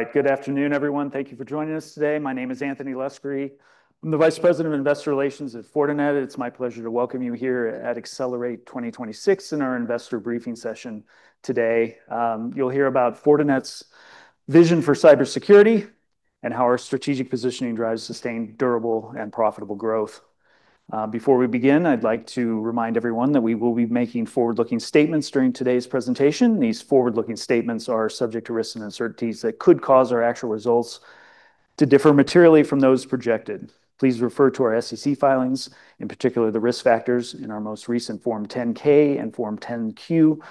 All right. Good afternoon, everyone. Thank you for joining us today. My name is Anthony Luscri. I'm the Vice President of Investor Relations at Fortinet. It's my pleasure to welcome you here at Accelerate 2026 in our investor briefing session today. You'll hear about Fortinet's vision for cybersecurity and how our strategic positioning drives sustained, durable and profitable growth. Before we begin, I'd like to remind everyone that we will be making forward-looking statements during today's presentation. These forward-looking statements are subject to risks and uncertainties that could cause our actual results to differ materially from those projected. Please refer to our SEC filings, in particular the risk factors in our most recent Form 10-K and Form 10-Q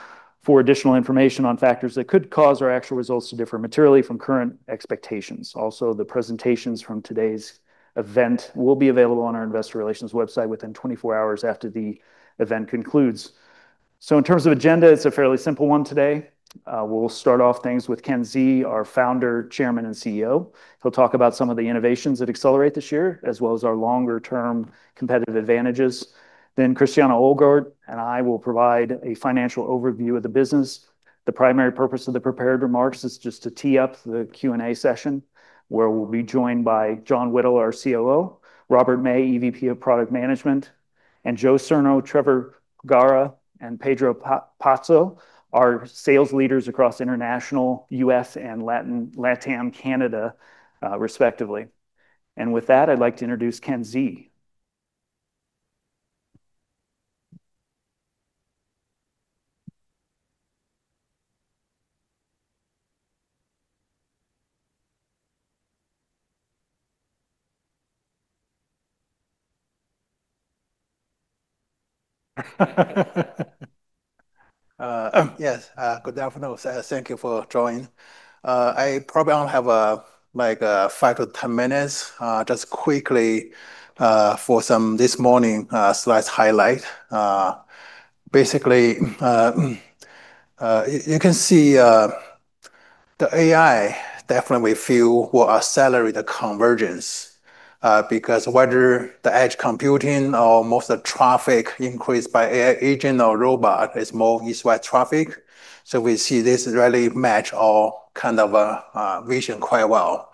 for additional information on factors that could cause our actual results to differ materially from current expectations. The presentations from today's event will be available on our investor relations website within 24 hours after the event concludes. In terms of agenda, it's a fairly simple one today. We'll start off things with Ken Xie, our founder, chairman, and CEO. He'll talk about some of the innovations at Accelerate this year, as well as our longer-term competitive advantages. Then Christiane Ohlgart and I will provide a financial overview of the business. The primary purpose of the prepared remarks is just to tee up the Q&A session, where we'll be joined by John Whittle, our COO, Robert May, EVP of Product Management, and Joe Sarno, Trevor Pagliara, and Pedro Paixão, our sales Leaders across international, U.S., and LATAM Canada, respectively. With that, I'd like to introduce Ken Xie. Yes. Good afternoon. Thank you for joining. I probably only have, like, five to 10 minutes, just quickly, for some this morning slides highlight. Basically, you can see the AI definitely we feel will accelerate the convergence, because whether the edge computing or most of traffic increased by AI agent or robot is more east-west traffic. We see this really match our kind of vision quite well.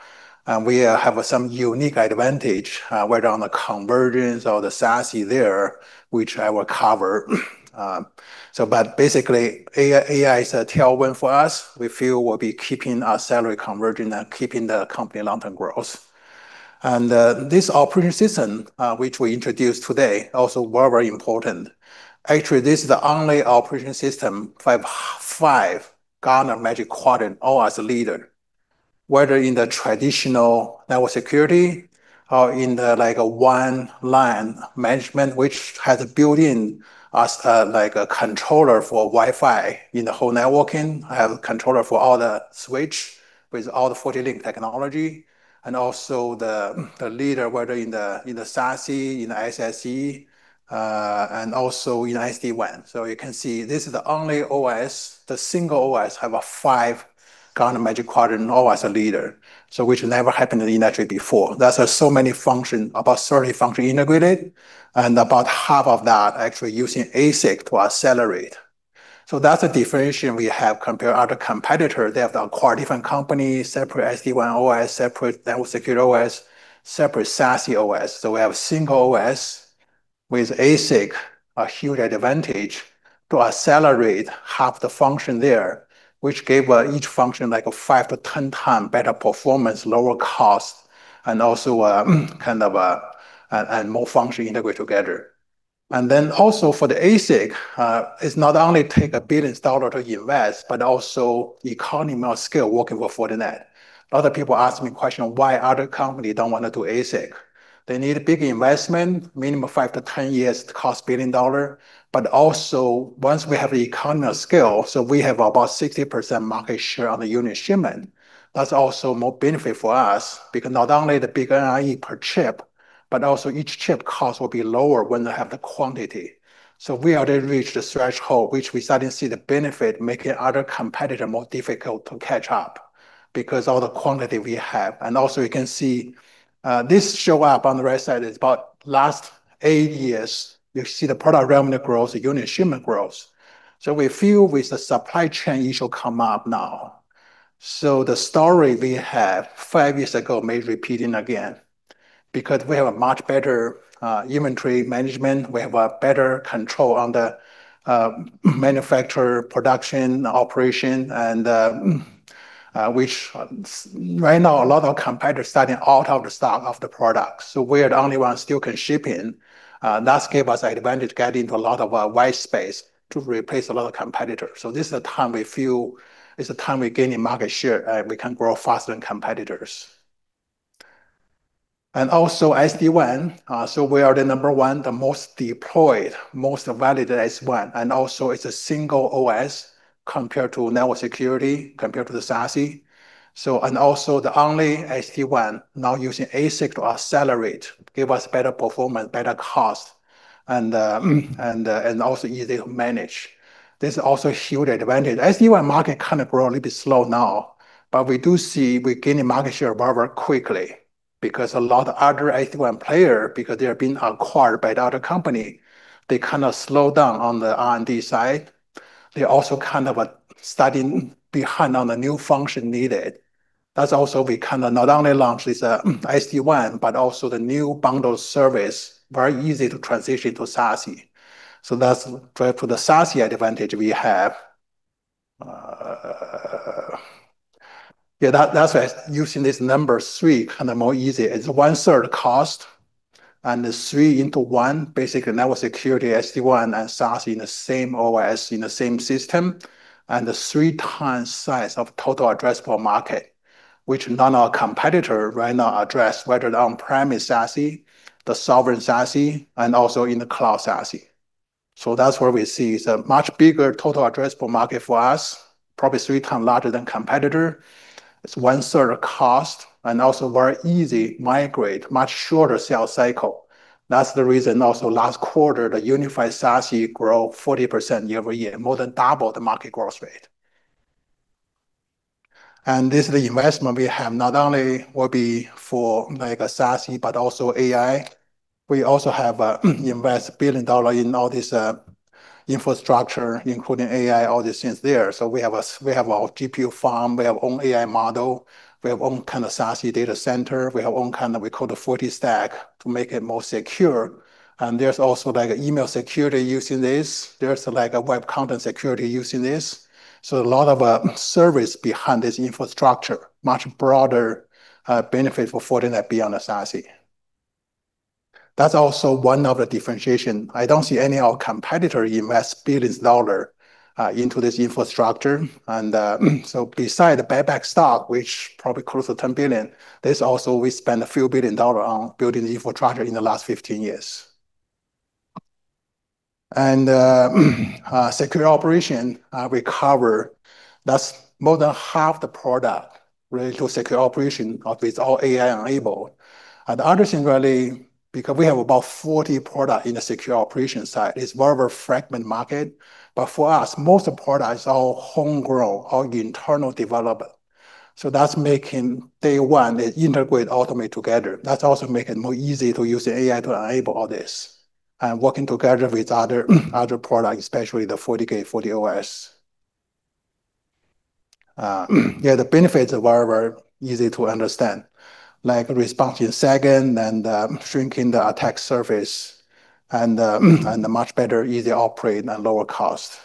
We have some unique advantage, whether on the convergence or the SASE there, which I will cover. So but basically, AI is a tailwind for us. We feel we'll be keeping our salary converging and keeping the company long-term growth. This operating system, which we introduced today also very, very important. Actually, this is the only operating system 5 Gartner Magic Quadrant as a Leader, whether in the traditional network security or in the, like, unified management, which has built-in as, like, a controller for Wi-Fi in the whole networking. It has a controller for all the switch with all the FortiLink technology and also the Leader in the SASE, in the SSE, and also in SD-WAN. You can see this is the only OS, the single OS, have a 5 Gartner Magic Quadrant, all as a Leader. Which never happened in the industry before. That's so many functions, about 30 functions integrated, and about half of that actually using ASIC to accelerate. That's a differentiation we have compared to other competitor. They have acquired different companies, separate SD-WAN OS, separate network security OS, separate SASE OS. We have single OS with ASIC, a huge advantage to accelerate half the function there, which gave each function like a five to 10 times better performance, lower cost, and also and more function integrate together. For the ASIC, it's not only take $1 billion to invest, but also economy of scale working with Fortinet. A lot of people ask me question, why other company don't want to do ASIC? They need big investment, minimum five to 10 years, cost $1 billion. Once we have the economy of scale, we have about 60% market share on the unit shipment. That's also more benefit for us because not only the bigger yield per chip, but also each chip cost will be lower when they have the quantity. We already reached the threshold, which we suddenly see the benefit making other competitor more difficult to catch up because all the quantity we have. You can see this show up on the right side is about last eight years. You see the product revenue growth, the unit shipment growth. We feel with the supply chain issue come up now. The story we have five years ago may repeating again because we have a much better inventory management. We have a better control on the manufacture, production, operation, and which right now a lot of competitors starting out of the stock of the product. We are the only ones still can ship in that give us advantage get into a lot of white space to replace a lot of competitors. This is a time we feel we gain in market share, and we can grow faster than competitors. We are the number one, the most deployed, most validated SD-WAN. It's a single OS compared to network security, compared to the SASE. The only SD-WAN now using ASIC to accelerate gives us better performance, better cost, and easy to manage. This is also a huge advantage. The SD-WAN market kind of grows a little bit slow now, but we do see we gain in market share very, very quickly because a lot of other SD-WAN players, because they are being acquired by the other companies, they kind of slow down on the R&D side. They also kind of stay behind on the new functions needed. That's also why we kind of not only launched this SD-WAN, but also the new bundle service, very easy to transition to SASE. That's tied to the SASE advantage we have. That's why using this number three kind of more easy. It's 1/3 cost and three-in-one basic network security SD-WAN and SASE in the same OS, in the same system. The three times size of total addressable market, which none of our competitors right now address, whether on-premise SASE, the sovereign SASE, and also in the cloud SASE. That's where we see it's a much bigger total addressable market for us, probably three times larger than competitors. It's 1/3 cost and also very easy migrate, much shorter sale cycle. That's the reason also last quarter, the unified SASE grew 40% year-over-year, more than double the market growth rate. This is the investment we have not only will be for like SASE, but also AI. We also have invested $1 billion in all this infrastructure, including AI, all these things there. We have our DPU farm, we have our own AI model, we have our own kind of SASE data center, we have our own kind of, we call the Fortistacks to make it more secure. There's also like email security using this. There's like a web content security using this. A lot of service behind this infrastructure, much broader benefit for Fortinet beyond the SASE. That's also one of the differentiation. I don't see any of our competitor invest billions of dollars into this infrastructure. Besides the stock buyback, which probably close to $10 billion, there's also we spend a few billion dollars on building the infrastructure in the 15 years. secure operation, we cover, that's more than half the products related to secure operation. It's all AI-enabled. The other thing really, because we have about 40 products in the secure operation side, it's a very, very fragmented market. But for us, most of product is all homegrown or internal development. That's from day one, they integrate, automate together. That also makes it easier to use the AI to enable all this and working together with other products, especially the FortiGate, FortiOS. The benefits are very, very easy to understand, like response in seconds and shrinking the attack surface and much better, easier operate and lower cost.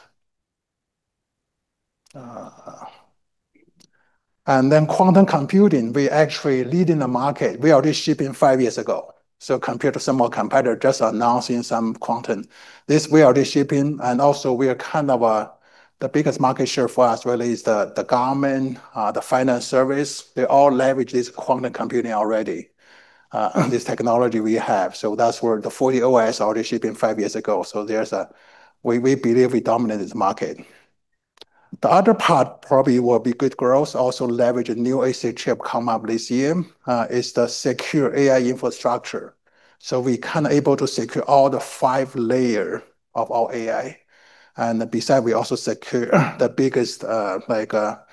Quantum computing, we actually leading the market. We already shipping five years ago. Compared to some of our competitor just announcing some quantum. This we already shipping, and also we are kind of the biggest market share for us really is the government, the financial services. They all leverage this quantum computing already, this technology we have. That's where the FortiOS already shipping five years ago. We believe we dominate this market. The other part probably will be good growth, also leverage a new ASIC chip come up this year, is the secure AI infrastructure. We kinda able to secure all the five layers of our AI. Besides, we also secure the biggest AI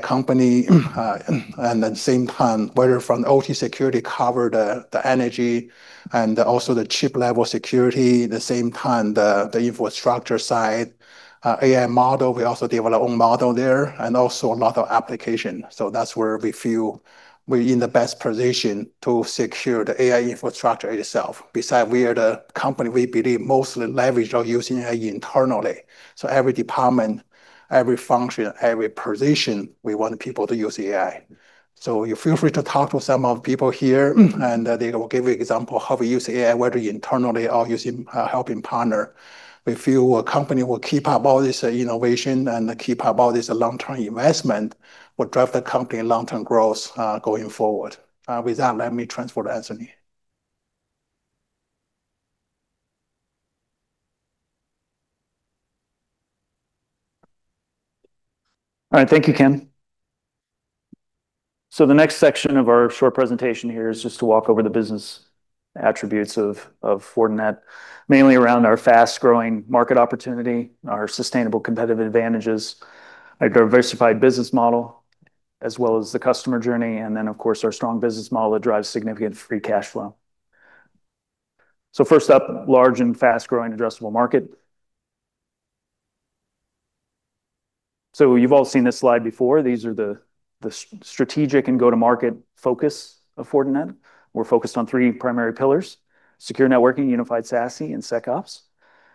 company, and at the same time, whether from OT security cover the energy and also the chip level security, at the same time the infrastructure side AI model. We also develop own model there and also a lot of application. That's where we feel we're in the best position to secure the AI infrastructure itself. Besides, we are the company we believe mostly leverage or using AI internally. Every department, every function, every position, we want people to use AI. Feel free to talk to some of the people here, and they will give you example how we use AI, whether internally or using helping partner. We feel a company will keep up all this innovation and keep up all this long-term investment will drive the company long-term growth, going forward. With that, let me transfer to Anthony. All right. Thank you, Ken. The next section of our short presentation here is just to walk over the business attributes of Fortinet, mainly around our fast-growing market opportunity, our sustainable competitive advantages, a diversified business model, as well as the customer journey, and then of course, our strong business model that drives significant free cash flow. First up, large and fast-growing addressable market. You've all seen this slide before. These are the strategic and go-to-market focus of Fortinet. We're focused on three primary pillars, secure networking, unified SASE, and SecOps.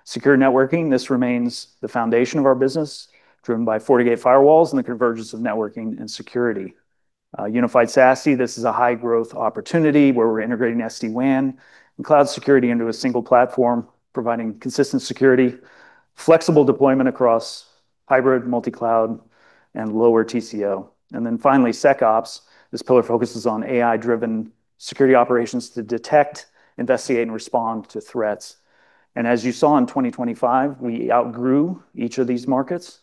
Secure networking, this remains the foundation of our business, driven by FortiGate firewalls and the convergence of networking and security. Unified SASE, this is a high-growth opportunity where we're integrating SD-WAN and cloud security into a single platform, providing consistent security, flexible deployment across hybrid multi-cloud, and lower TCO. Then finally, SecOps. This pillar focuses on AI-driven security operations to detect, investigate, and respond to threats. As you saw in 2025, we outgrew each of these markets.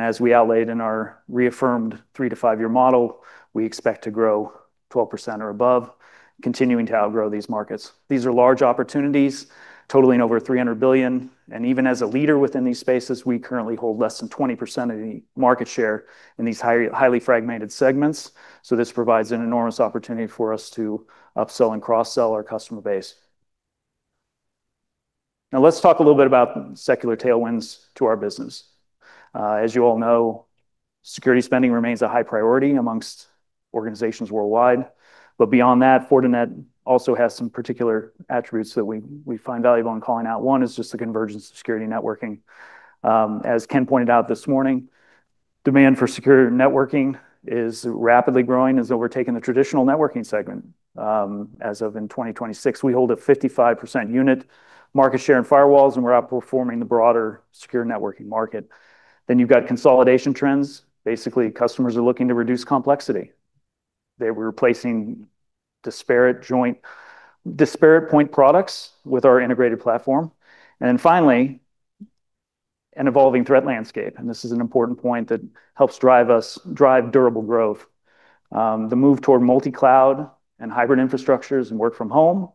As we outlaid in our reaffirmed three- to five-year model, we expect to grow 12% or above, continuing to outgrow these markets. These are large opportunities totaling over $300 billion. Even as a Leader within these spaces, we currently hold less than 20% of the market share in these highly fragmented segments. This provides an enormous opportunity for us to upsell and cross-sell our customer base. Now let's talk a little bit about secular tailwinds to our business. As you all know, security spending remains a high priority amongst organizations worldwide. Beyond that, Fortinet also has some particular attributes that we find valuable in calling out. One is just the convergence of security networking. As Ken pointed out this morning, demand for secure networking is rapidly growing and overtaking the traditional networking segment. As of 2026, we hold a 55% unit market share in firewalls, and we're outperforming the broader secure networking market. You've got consolidation trends. Basically, customers are looking to reduce complexity. They're replacing disparate point products with our integrated platform. Finally, an evolving threat landscape, and this is an important point that helps drive durable growth. The move toward multi-cloud and hybrid infrastructures and work from home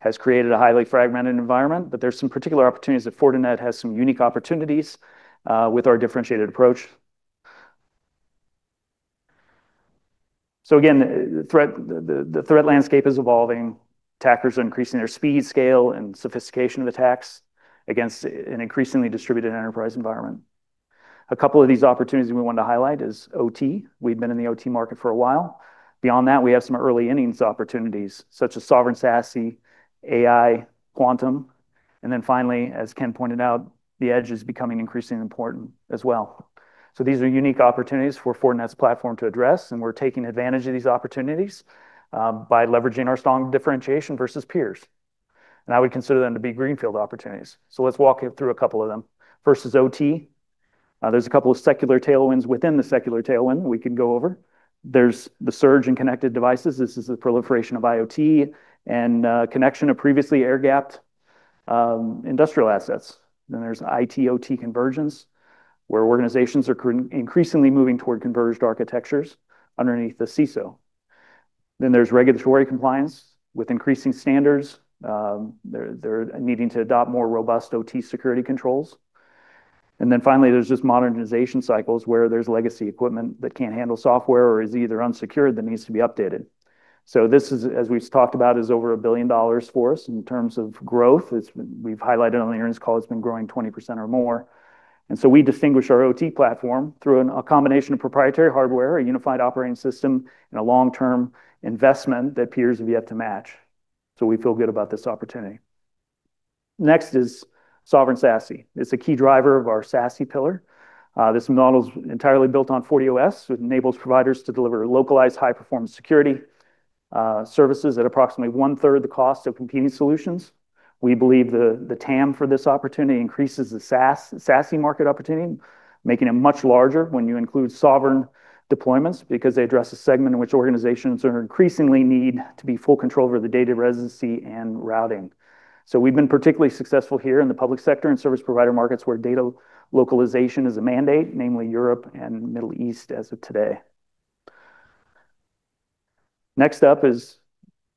has created a highly fragmented environment, but there are some particular opportunities that Fortinet has, some unique opportunities, with our differentiated approach. Again, the threat landscape is evolving. Attackers are increasing their speed, scale, and sophistication of attacks against an increasingly distributed enterprise environment. A couple of these opportunities we wanted to highlight is OT. We've been in the OT market for a while. Beyond that, we have some early innings opportunities such as sovereign SASE, AI, quantum, and then finally, as Ken pointed out, the edge is becoming increasingly important as well. These are unique opportunities for Fortinet's platform to address, and we're taking advantage of these opportunities by leveraging our strong differentiation versus peers. I would consider them to be greenfield opportunities. Let's walk you through a couple of them. First is OT. There's a couple of secular tailwinds within the secular tailwind we can go over. There's the surge in connected devices. This is the proliferation of IoT and connection of previously air-gapped industrial assets. There's IT/OT convergence, where organizations are increasingly moving toward converged architectures underneath the CISO. There's regulatory compliance with increasing standards. They're needing to adopt more robust OT security controls. Finally, there's just modernization cycles where there's legacy equipment that can't handle software or is either unsecured that needs to be updated. This is, as we've talked about, is over $1 billion for us in terms of growth. We've highlighted on the earnings call, it's been growing 20% or more. We distinguish our OT platform through a combination of proprietary hardware, a unified operating system, and a long-term investment that peers have yet to match. We feel good about this opportunity. Next is sovereign SASE. It's a key driver of our SASE pillar. This model is entirely built on FortiOS, which enables providers to deliver localized high-performance security services at approximately 1/3 the cost of competing solutions. We believe the TAM for this opportunity increases the SASE market opportunity, making it much larger when you include sovereign deployments because they address a segment in which organizations are increasingly need to be full control over the data residency and routing. We've been particularly successful here in the public sector and service provider markets where data localization is a mandate, namely Europe and Middle East as of today. Next up is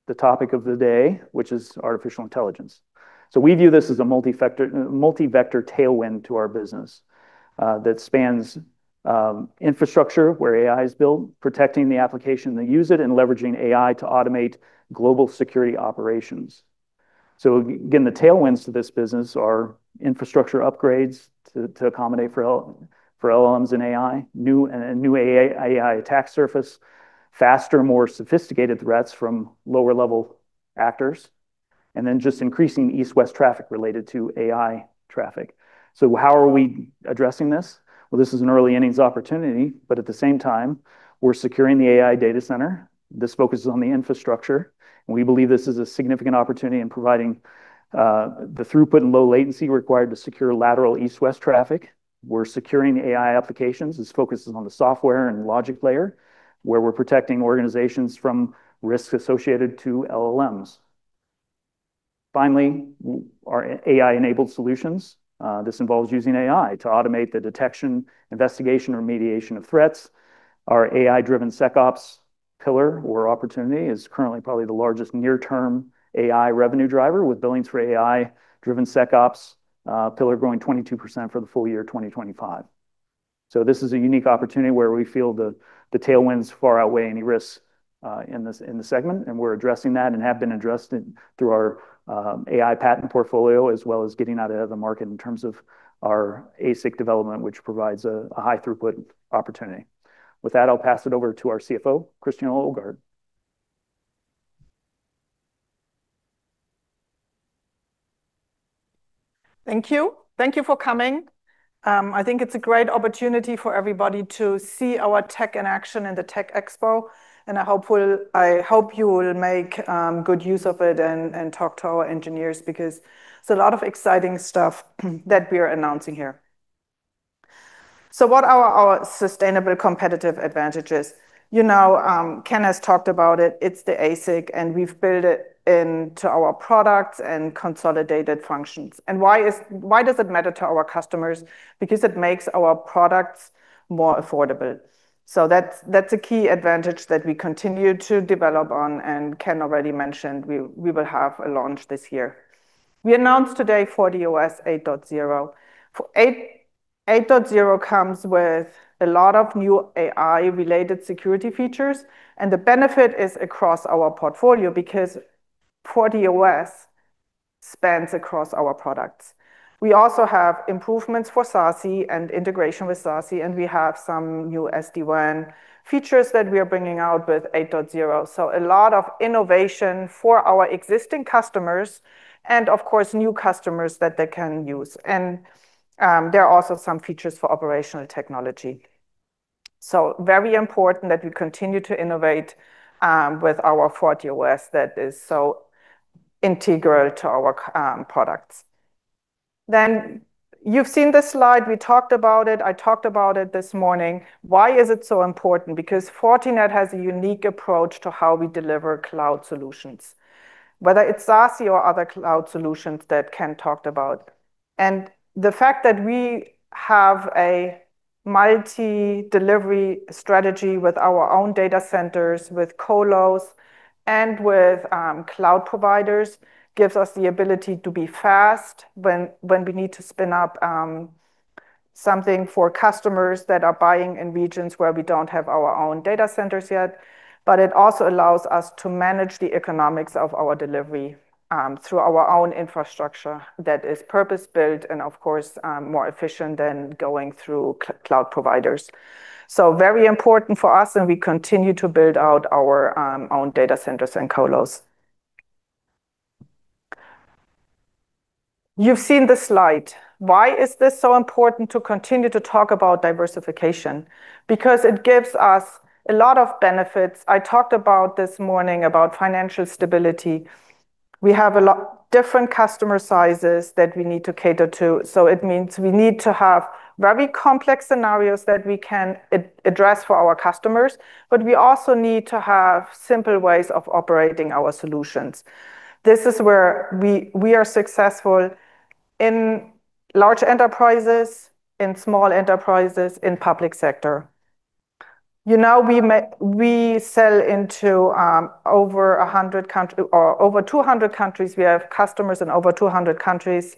the topic of the day, which is artificial intelligence. We view this as a multi-factor, multi-vector tailwind to our business, that spans, infrastructure where AI is built, protecting the application that use it, and leveraging AI to automate global security operations. Again, the tailwinds to this business are infrastructure upgrades to accommodate for LLMs and AI, new AI attack surface, faster, more sophisticated threats from lower-level actors, and then just increasing east-west traffic related to AI traffic. How are we addressing this? Well, this is an early innings opportunity, but at the same time, we're securing the AI data center. This focuses on the infrastructure, and we believe this is a significant opportunity in providing the throughput and low latency required to secure lateral east-west traffic. We're securing AI applications. This focuses on the software and logic layer, where we're protecting organizations from risks associated to LLMs. Finally, our AI-enabled solutions. This involves using AI to automate the detection, investigation, or mediation of threats. Our AI-driven SecOps pillar or opportunity is currently probably the largest near-term AI revenue driver, with billings for AI-driven SecOps pillar growing 22% for the full year 2025. This is a unique opportunity where we feel the tailwinds far outweigh any risks in this segment, and we're addressing that and have been addressing through our AI patent portfolio, as well as getting out ahead of the market in terms of our ASIC development, which provides a high throughput opportunity. With that, I'll pass it over to our CFO, Christiane Ohlgart. Thank you. Thank you for coming. I think it's a great opportunity for everybody to see our tech in action in the TechExpo, and I hope you will make good use of it and talk to our engineers because there's a lot of exciting stuff that we're announcing here. What are our sustainable competitive advantages? You know, Ken has talked about it. It's the ASIC, and we've built it into our products and consolidated functions. Why does it matter to our customers? Because it makes our products more affordable. That's a key advantage that we continue to develop on, and Ken already mentioned we will have a launch this year. We announced today FortiOS 8.0. 8.0 comes with a lot of new AI-related security features, and the benefit is across our portfolio because FortiOS spans across our products. We also have improvements for SASE and integration with SASE, and we have some new SD-WAN features that we are bringing out with 8.0. A lot of innovation for our existing customers and of course new customers that they can use. There are also some features for operational technology. Very important that we continue to innovate with our FortiOS that is so integral to our products. You've seen this slide, we talked about it, I talked about it this morning. Why is it so important? Because Fortinet has a unique approach to how we deliver cloud solutions, whether it's SASE or other cloud solutions that Ken talked about. The fact that we have a multi-delivery strategy with our own data centers, with colos, and with cloud providers gives us the ability to be fast when we need to spin up something for customers that are buying in regions where we don't have our own data centers yet. It also allows us to manage the economics of our delivery through our own infrastructure that is purpose-built and of course more efficient than going through cloud providers. Very important for us, and we continue to build out our own data centers and colos. You've seen this slide. Why is this so important to continue to talk about diversification? Because it gives us a lot of benefits. I talked about this morning about financial stability. We have a lot of different customer sizes that we need to cater to, so it means we need to have very complex scenarios that we can address for our customers, but we also need to have simple ways of operating our solutions. This is where we are successful in large enterprises, in small enterprises, in public sector. You know, we sell into over 100 or over 200 countries. We have customers in over 200 countries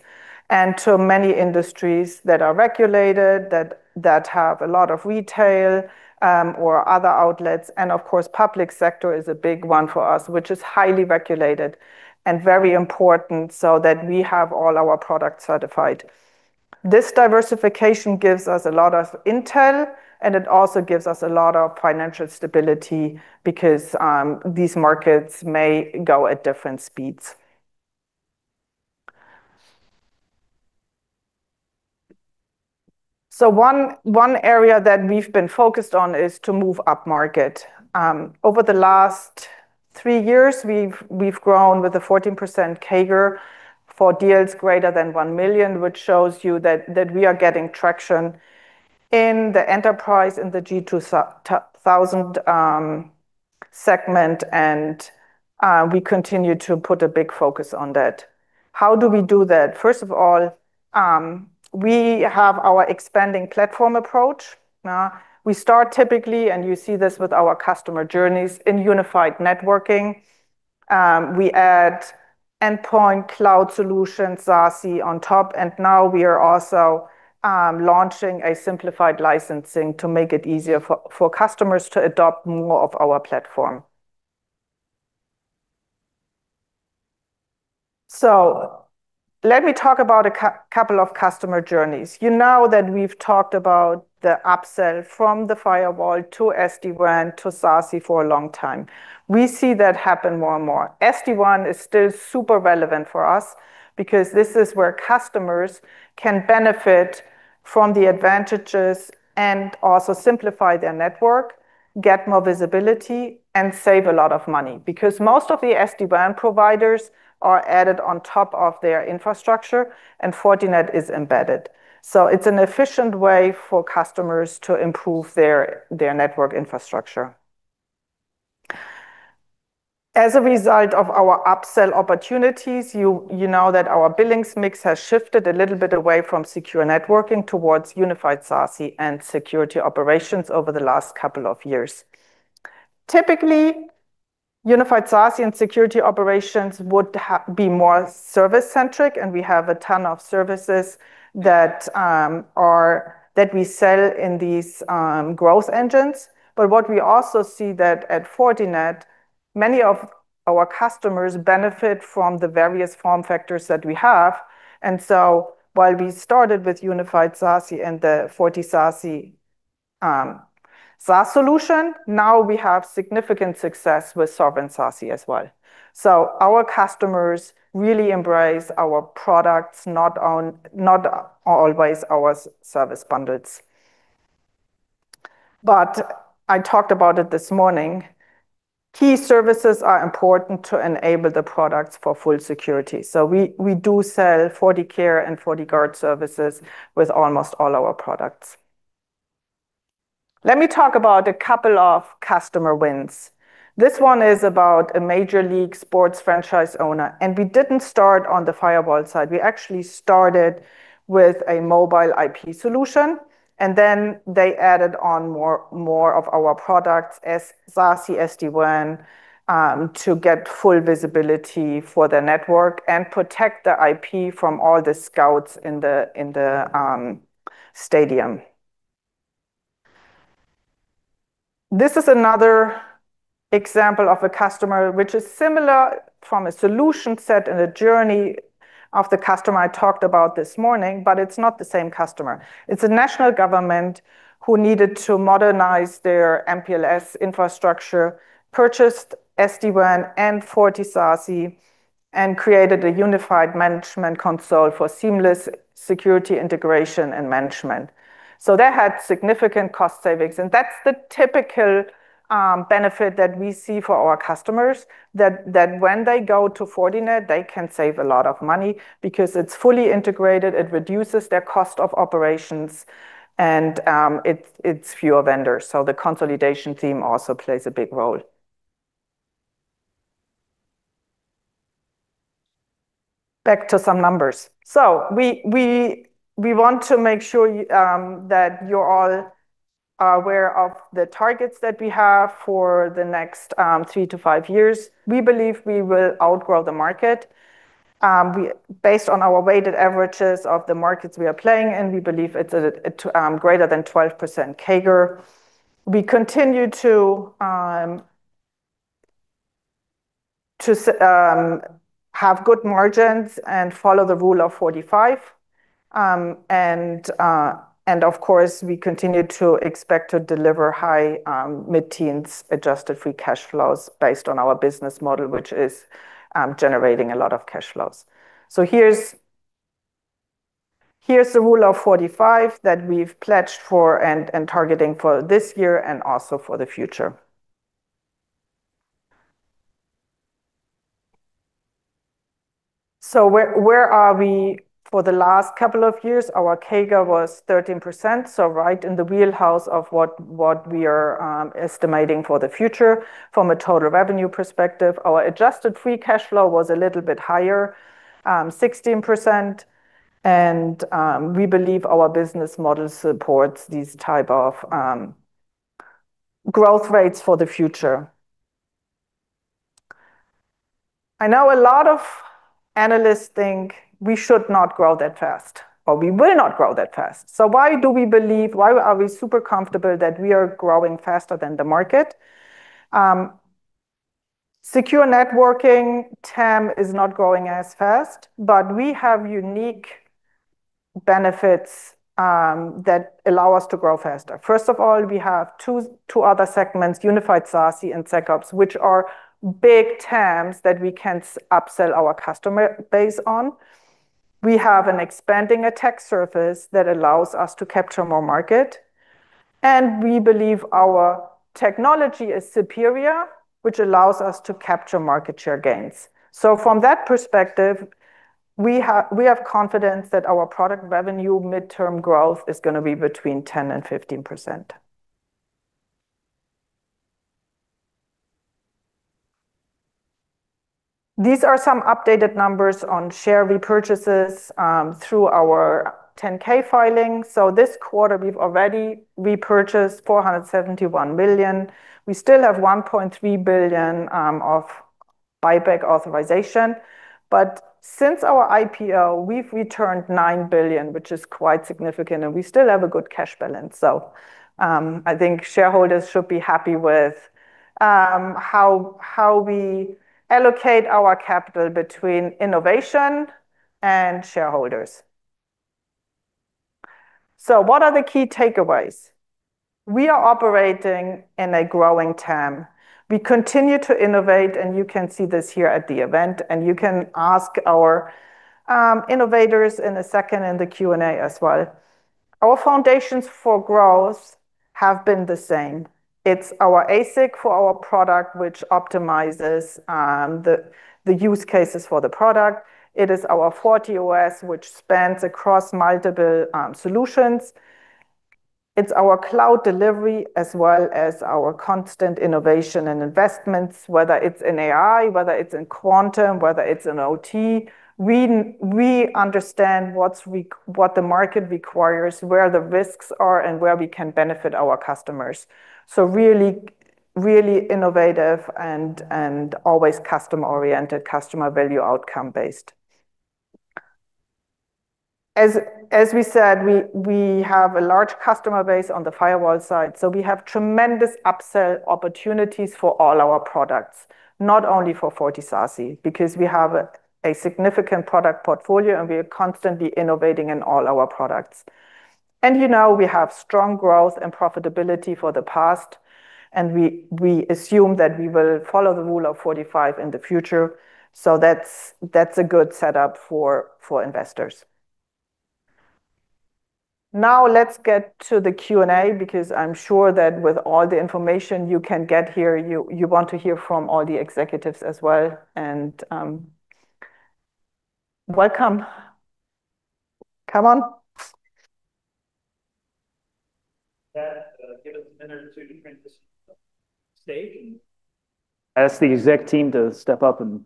and in many industries that are regulated that have a lot of retail or other outlets. Of course, public sector is a big one for us, which is highly regulated and very important so that we have all our products certified. This diversification gives us a lot of intel, and it also gives us a lot of financial stability because these markets may go at different speeds. One area that we've been focused on is to move upmarket. Over the last three years, we've grown with a 14% CAGR for deals greater than $1 million, which shows you that we are getting traction in the enterprise, in the G2000 segment, and we continue to put a big focus on that. How do we do that? First of all, we have our expanding platform approach. We start typically, and you see this with our customer journeys in unified networking. We add endpoint cloud solutions, SASE on top, and now we are also launching a simplified licensing to make it easier for customers to adopt more of our platform. Let me talk about a couple of customer journeys. You know that we've talked about the upsell from the firewall to SD-WAN to SASE for a long time. We see that happen more and more. SD-WAN is still super relevant for us because this is where customers can benefit from the advantages and also simplify their network, get more visibility, and save a lot of money. Because most of the SD-WAN providers are added on top of their infrastructure, and Fortinet is embedded. It's an efficient way for customers to improve their network infrastructure. As a result of our upsell opportunities, you know that our billings mix has shifted a little bit away from secure networking towards unified SASE and security operations over the last couple of years. Typically, unified SASE and security operations would be more service-centric, and we have a ton of services that we sell in these growth engines. What we also see that at Fortinet, many of our customers benefit from the various form factors that we have. While we started with unified SASE and the FortiSASE SaaS solution, now we have significant success with sovereign SASE as well. Our customers really embrace our products, not always our service bundles. I talked about it this morning. Key services are important to enable the products for full security. We do sell FortiCare and FortiGuard services with almost all our products. Let me talk about a couple of customer wins. This one is about a Major League sports franchise owner, and we didn't start on the firewall side. We actually started with a mobile IP solution. They added on more of our products as SASE SD-WAN to get full visibility for their network and protect the IP from all the scouts in the stadium. This is another example of a customer which is similar from a solution set and a journey of the customer I talked about this morning, but it's not the same customer. It's a national government who needed to modernize their MPLS infrastructure, purchased SD-WAN and FortiSASE, and created a unified management console for seamless security integration and management. They had significant cost savings, and that's the typical benefit that we see for our customers, that when they go to Fortinet, they can save a lot of money because it's fully integrated, it reduces their cost of operations, and it's fewer vendors. The consolidation team also plays a big role. Back to some numbers. We want to make sure that you're all aware of the targets that we have for the next three to five years. We believe we will outgrow the market. Based on our weighted averages of the markets we are playing in, we believe it's at greater than 12% CAGR. We continue to have good margins and follow the Rule of 45. Of course, we continue to expect to deliver high mid-teens adjusted free cash flows based on our business model, which is generating a lot of cash flows. Here's the Rule of 45 that we've pledged for and targeting for this year and also for the future. Where are we? For the last couple of years, our CAGR was 13%, so right in the wheelhouse of what we are estimating for the future from a total revenue perspective. Our adjusted free cash flow was a little bit higher, 16%, and we believe our business model supports these type of growth rates for the future. I know a lot of analysts think we should not grow that fast, or we will not grow that fast. Why do we believe, why are we super comfortable that we are growing faster than the market? Secure networking TAM is not growing as fast, but we have unique benefits that allow us to grow faster. First of all, we have two other segments, Unified SASE and SecOps, which are big TAMs that we can upsell our customer base on. We have an expanding attack surface that allows us to capture more market, and we believe our technology is superior, which allows us to capture market share gains. From that perspective, we have confidence that our product revenue midterm growth is gonna be between 10%-15%. These are some updated numbers on share repurchases through our 10-K filing. This quarter, we've already repurchased $471 million. We still have $1.3 billion of buyback authorization. Since our IPO, we've returned $9 billion, which is quite significant, and we still have a good cash balance. I think shareholders should be happy with how we allocate our capital between innovation and shareholders. What are the key takeaways? We are operating in a growing TAM. We continue to innovate, and you can see this here at the event, and you can ask our innovators in a second in the Q&A as well. Our foundations for growth have been the same. It's our ASIC for our product, which optimizes the use cases for the product. It is our FortiOS, which spans across multiple solutions. It's our cloud delivery as well as our constant innovation and investments, whether it's in AI, whether it's in quantum, whether it's in OT. We understand what the market requires, where the risks are, and where we can benefit our customers. Really innovative and always customer-oriented, customer value outcome-based. As we said, we have a large customer base on the firewall side, so we have tremendous upsell opportunities for all our products, not only for FortiSASE, because we have a significant product portfolio, and we are constantly innovating in all our products. You know we have strong growth and profitability for the past, and we assume that we will follow the Rule of 45 in the future. That's a good setup for investors. Now let's get to the Q&A because I'm sure that with all the information you can get here, you want to hear from all the executives as well. Welcome. Come on. Yeah. Give us a minute or two to transition stage. Ask the exec team to step up and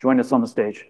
join us on the stage.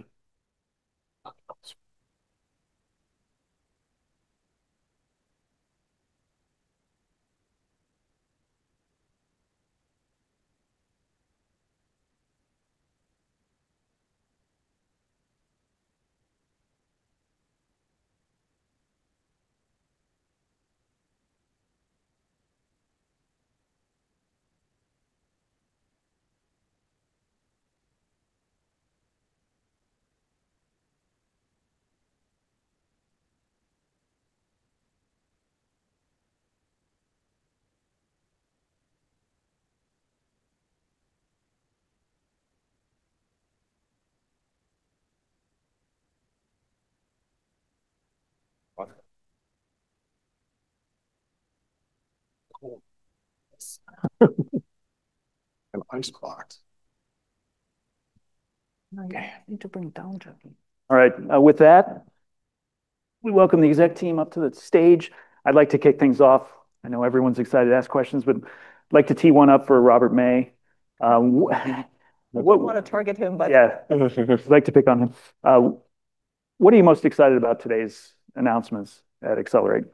Okay, gotcha. What? Cool. An ice. [inaudible] No, you need to bring it down, Jackie. All right, with that, we welcome the exec team up to the stage. I'd like to kick things off. I know everyone's excited to ask questions, but I'd like to tee one up for Robert May. We wanna target him. Yeah. Like to pick on him. What are you most excited about today's announcements at Accelerate?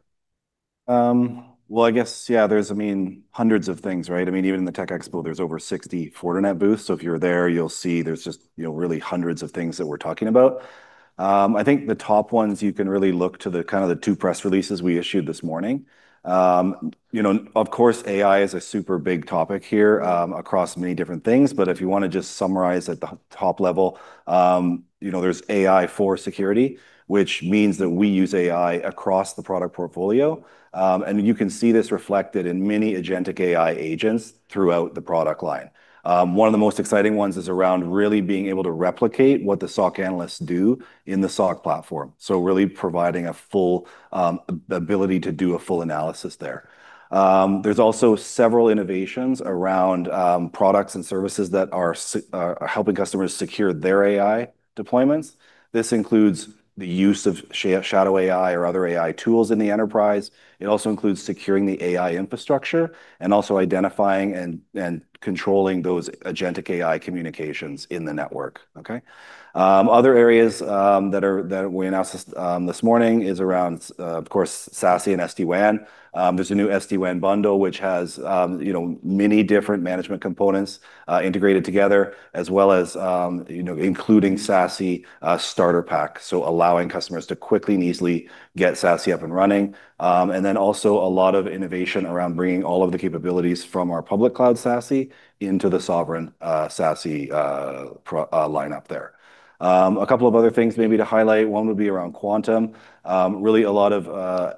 Well, I guess, yeah, there's, I mean, hundreds of things, right? I mean, even in the TechExpo, there's over 60 Fortinet booths, so if you're there, you'll see there's just, you know, really hundreds of things that we're talking about. I think the top ones you can really look to the kind of the two press releases we issued this morning. You know, of course, AI is a super big topic here, across many different things, but if you wanna just summarize at the top level, you know, there's AI for security, which means that we use AI across the product portfolio. You can see this reflected in many Agentic AI agents throughout the product line. One of the most exciting ones is around really being able to replicate what the SOC analysts do in the SOC platform. Really providing a full ability to do a full analysis there. There's also several innovations around products and services that are helping customers secure their AI deployments. This includes the use of shadow AI or other AI tools in the enterprise. It also includes securing the AI infrastructure and identifying and controlling those Agentic AI communications in the network. Other areas that we announced this morning is around, of course, SASE and SD-WAN. There's a new SD-WAN bundle which has, you know, many different management components integrated together, as well as, you know, including SASE starter pack, allowing customers to quickly and easily get SASE up and running. Also a lot of innovation around bringing all of the capabilities from our public cloud SASE into the sovereign SASE pro lineup there. A couple of other things maybe to highlight, one would be around quantum. Really a lot of,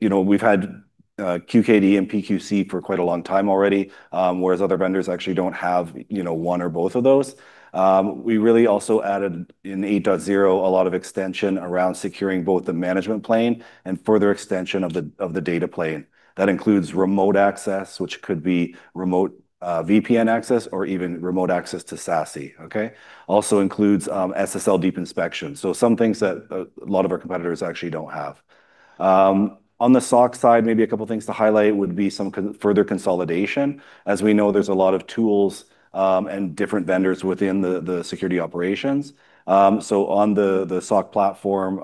you know, we've had QKD and PQC for quite a long time already, whereas other vendors actually don't have, you know, one or both of those. We really also added in 8.0 a lot of extension around securing both the management plane and further extension of the data plane. That includes remote access, which could be remote VPN access or even remote access to SASE, okay? Also includes SSL deep inspection. So some things that a lot of our competitors actually don't have. On the SOC side, maybe a couple of things to highlight would be some further consolidation. As we know, there's a lot of tools and different vendors within the security operations. On the SOC platform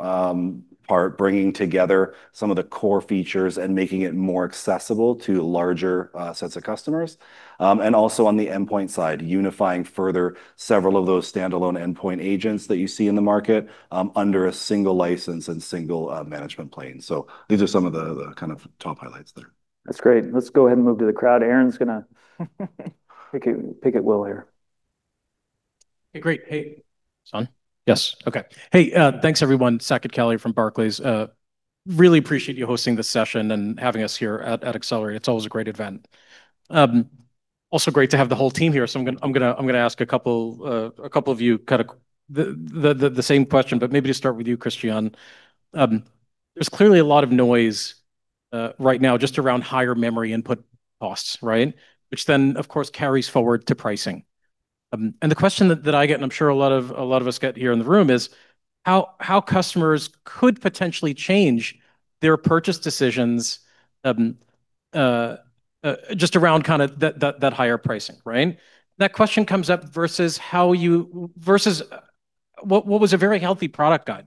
part, bringing together some of the core features and making it more accessible to larger sets of customers. Also on the endpoint side, unifying further several of those standalone endpoint agents that you see in the market under a single license and single management plane. These are some of the kind of top highlights there. That's great. Let's go ahead and move to the crowd. Aaron's gonna pick it well here. Hey, great. Hey. It's on? Yes. Okay. Hey, thanks everyone. Saket Kalia from Barclays. Really appreciate you hosting this session and having us here at Accelerate. It's always a great event. Also great to have the whole team here, so I'm gonna ask a couple of you kinda the same question, but maybe to start with you, Christiane. There's clearly a lot of noise right now just around higher memory input costs, right? Which then, of course, carries forward to pricing. The question that I get, and I'm sure a lot of us get here in the room is, how customers could potentially change their purchase decisions just around kinda that higher pricing, right? That question comes up versus how you... Versus what was a very healthy product guide.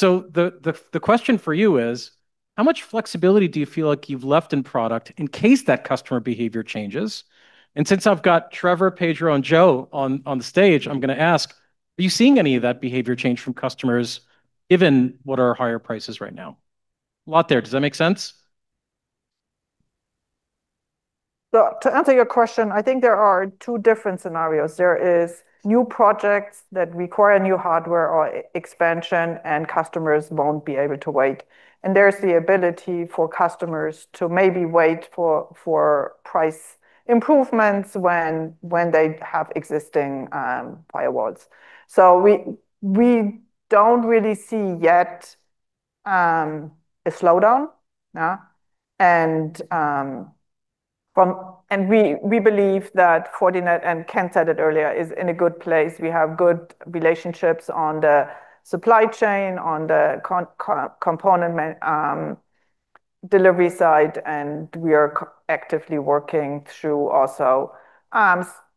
The question for you is, how much flexibility do you feel like you've left in product in case that customer behavior changes? Since I've got Trevor, Pedro, and Joe on the stage, I'm gonna ask, are you seeing any of that behavior change from customers given the higher prices right now? A lot there. Does that make sense? To answer your question, I think there are two different scenarios. There is new projects that require new hardware or expansion, and customers won't be able to wait. There's the ability for customers to maybe wait for price improvements when they have existing buy awards. We don't really see yet a slowdown, yeah. We believe that Fortinet, and Ken said it earlier, is in a good place. We have good relationships on the supply chain, on the component manufacturing delivery side and we are actively working through also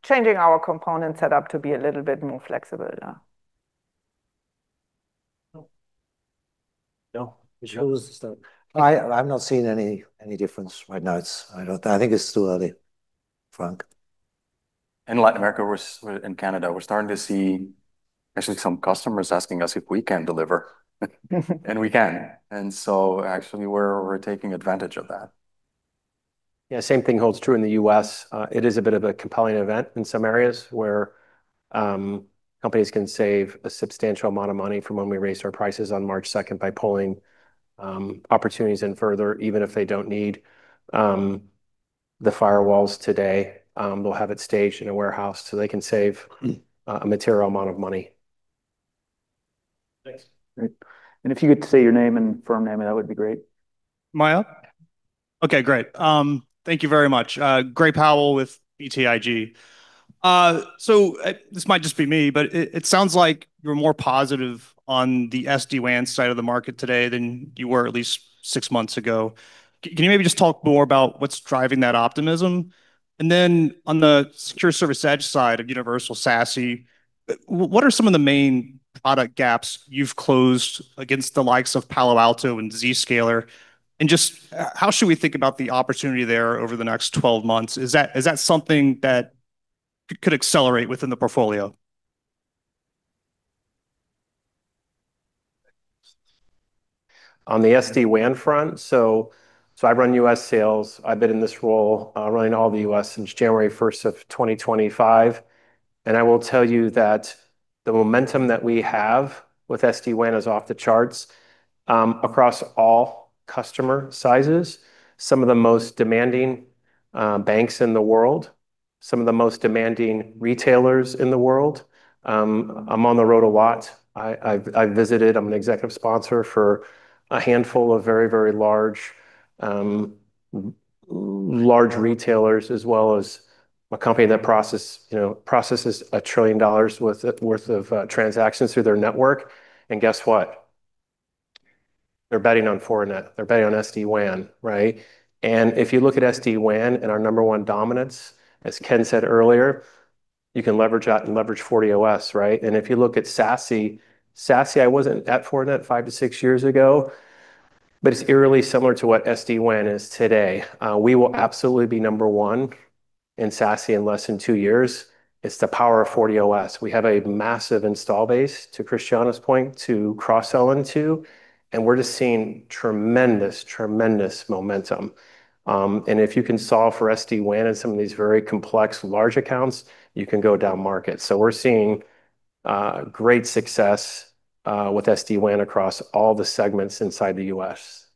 changing our component set up to be a little bit more flexible, yeah. No. I've not seen any difference right now. I think it's too early, Frank. In Canada we're starting to see actually some customers asking us if we can deliver. We can. Actually we're taking advantage of that. Yeah, same thing holds true in the U.S. It is a bit of a compelling event in some areas where companies can save a substantial amount of money from when we raised our prices on March 2nd by pulling opportunities in further, even if they don't need the firewalls today, they'll have it staged in a warehouse so they can save a material amount of money. Thanks. Great. If you could say your name and firm name, that would be great. Maya? Okay, great. Thank you very much. Gray Powell with BTIG. This might just be me, but it sounds like you're more positive on the SD-WAN side of the market today than you were at least six months ago. Can you maybe just talk more about what's driving that optimism? And then on the secure service edge side of universal SASE, what are some of the main product gaps you've closed against the likes of Palo Alto and Zscaler, and just how should we think about the opportunity there over the next 12 months? Is that something that could accelerate within the portfolio? On the SD-WAN front, I run U.S. sales. I've been in this role, running all the U.S. since January 1st of 2025, and I will tell you that the momentum that we have with SD-WAN is off the charts, across all customer sizes, some of the most demanding banks in the world, some of the most demanding retailers in the world. I'm on the road a lot. I'm an executive sponsor for a handful of very large retailers, as well as a company that processes, you know, $1 trillion worth of transactions through their network, and guess what? They're betting on Fortinet, they're betting on SD-WAN, right? If you look at SD-WAN and our number one dominance, as Ken said earlier, you can leverage that and leverage FortiOS, right? If you look at SASE, I wasn't at Fortinet five to six years ago, but it's eerily similar to what SD-WAN is today. We will absolutely be number one in SASE in less than two years. It's the power of FortiOS. We have a massive install base, to Christiane's point, to cross-sell into, and we're just seeing tremendous momentum. If you can solve for SD-WAN in some of these very complex large accounts, you can go down market. We're seeing great success with SD-WAN across all the segments inside the U.S.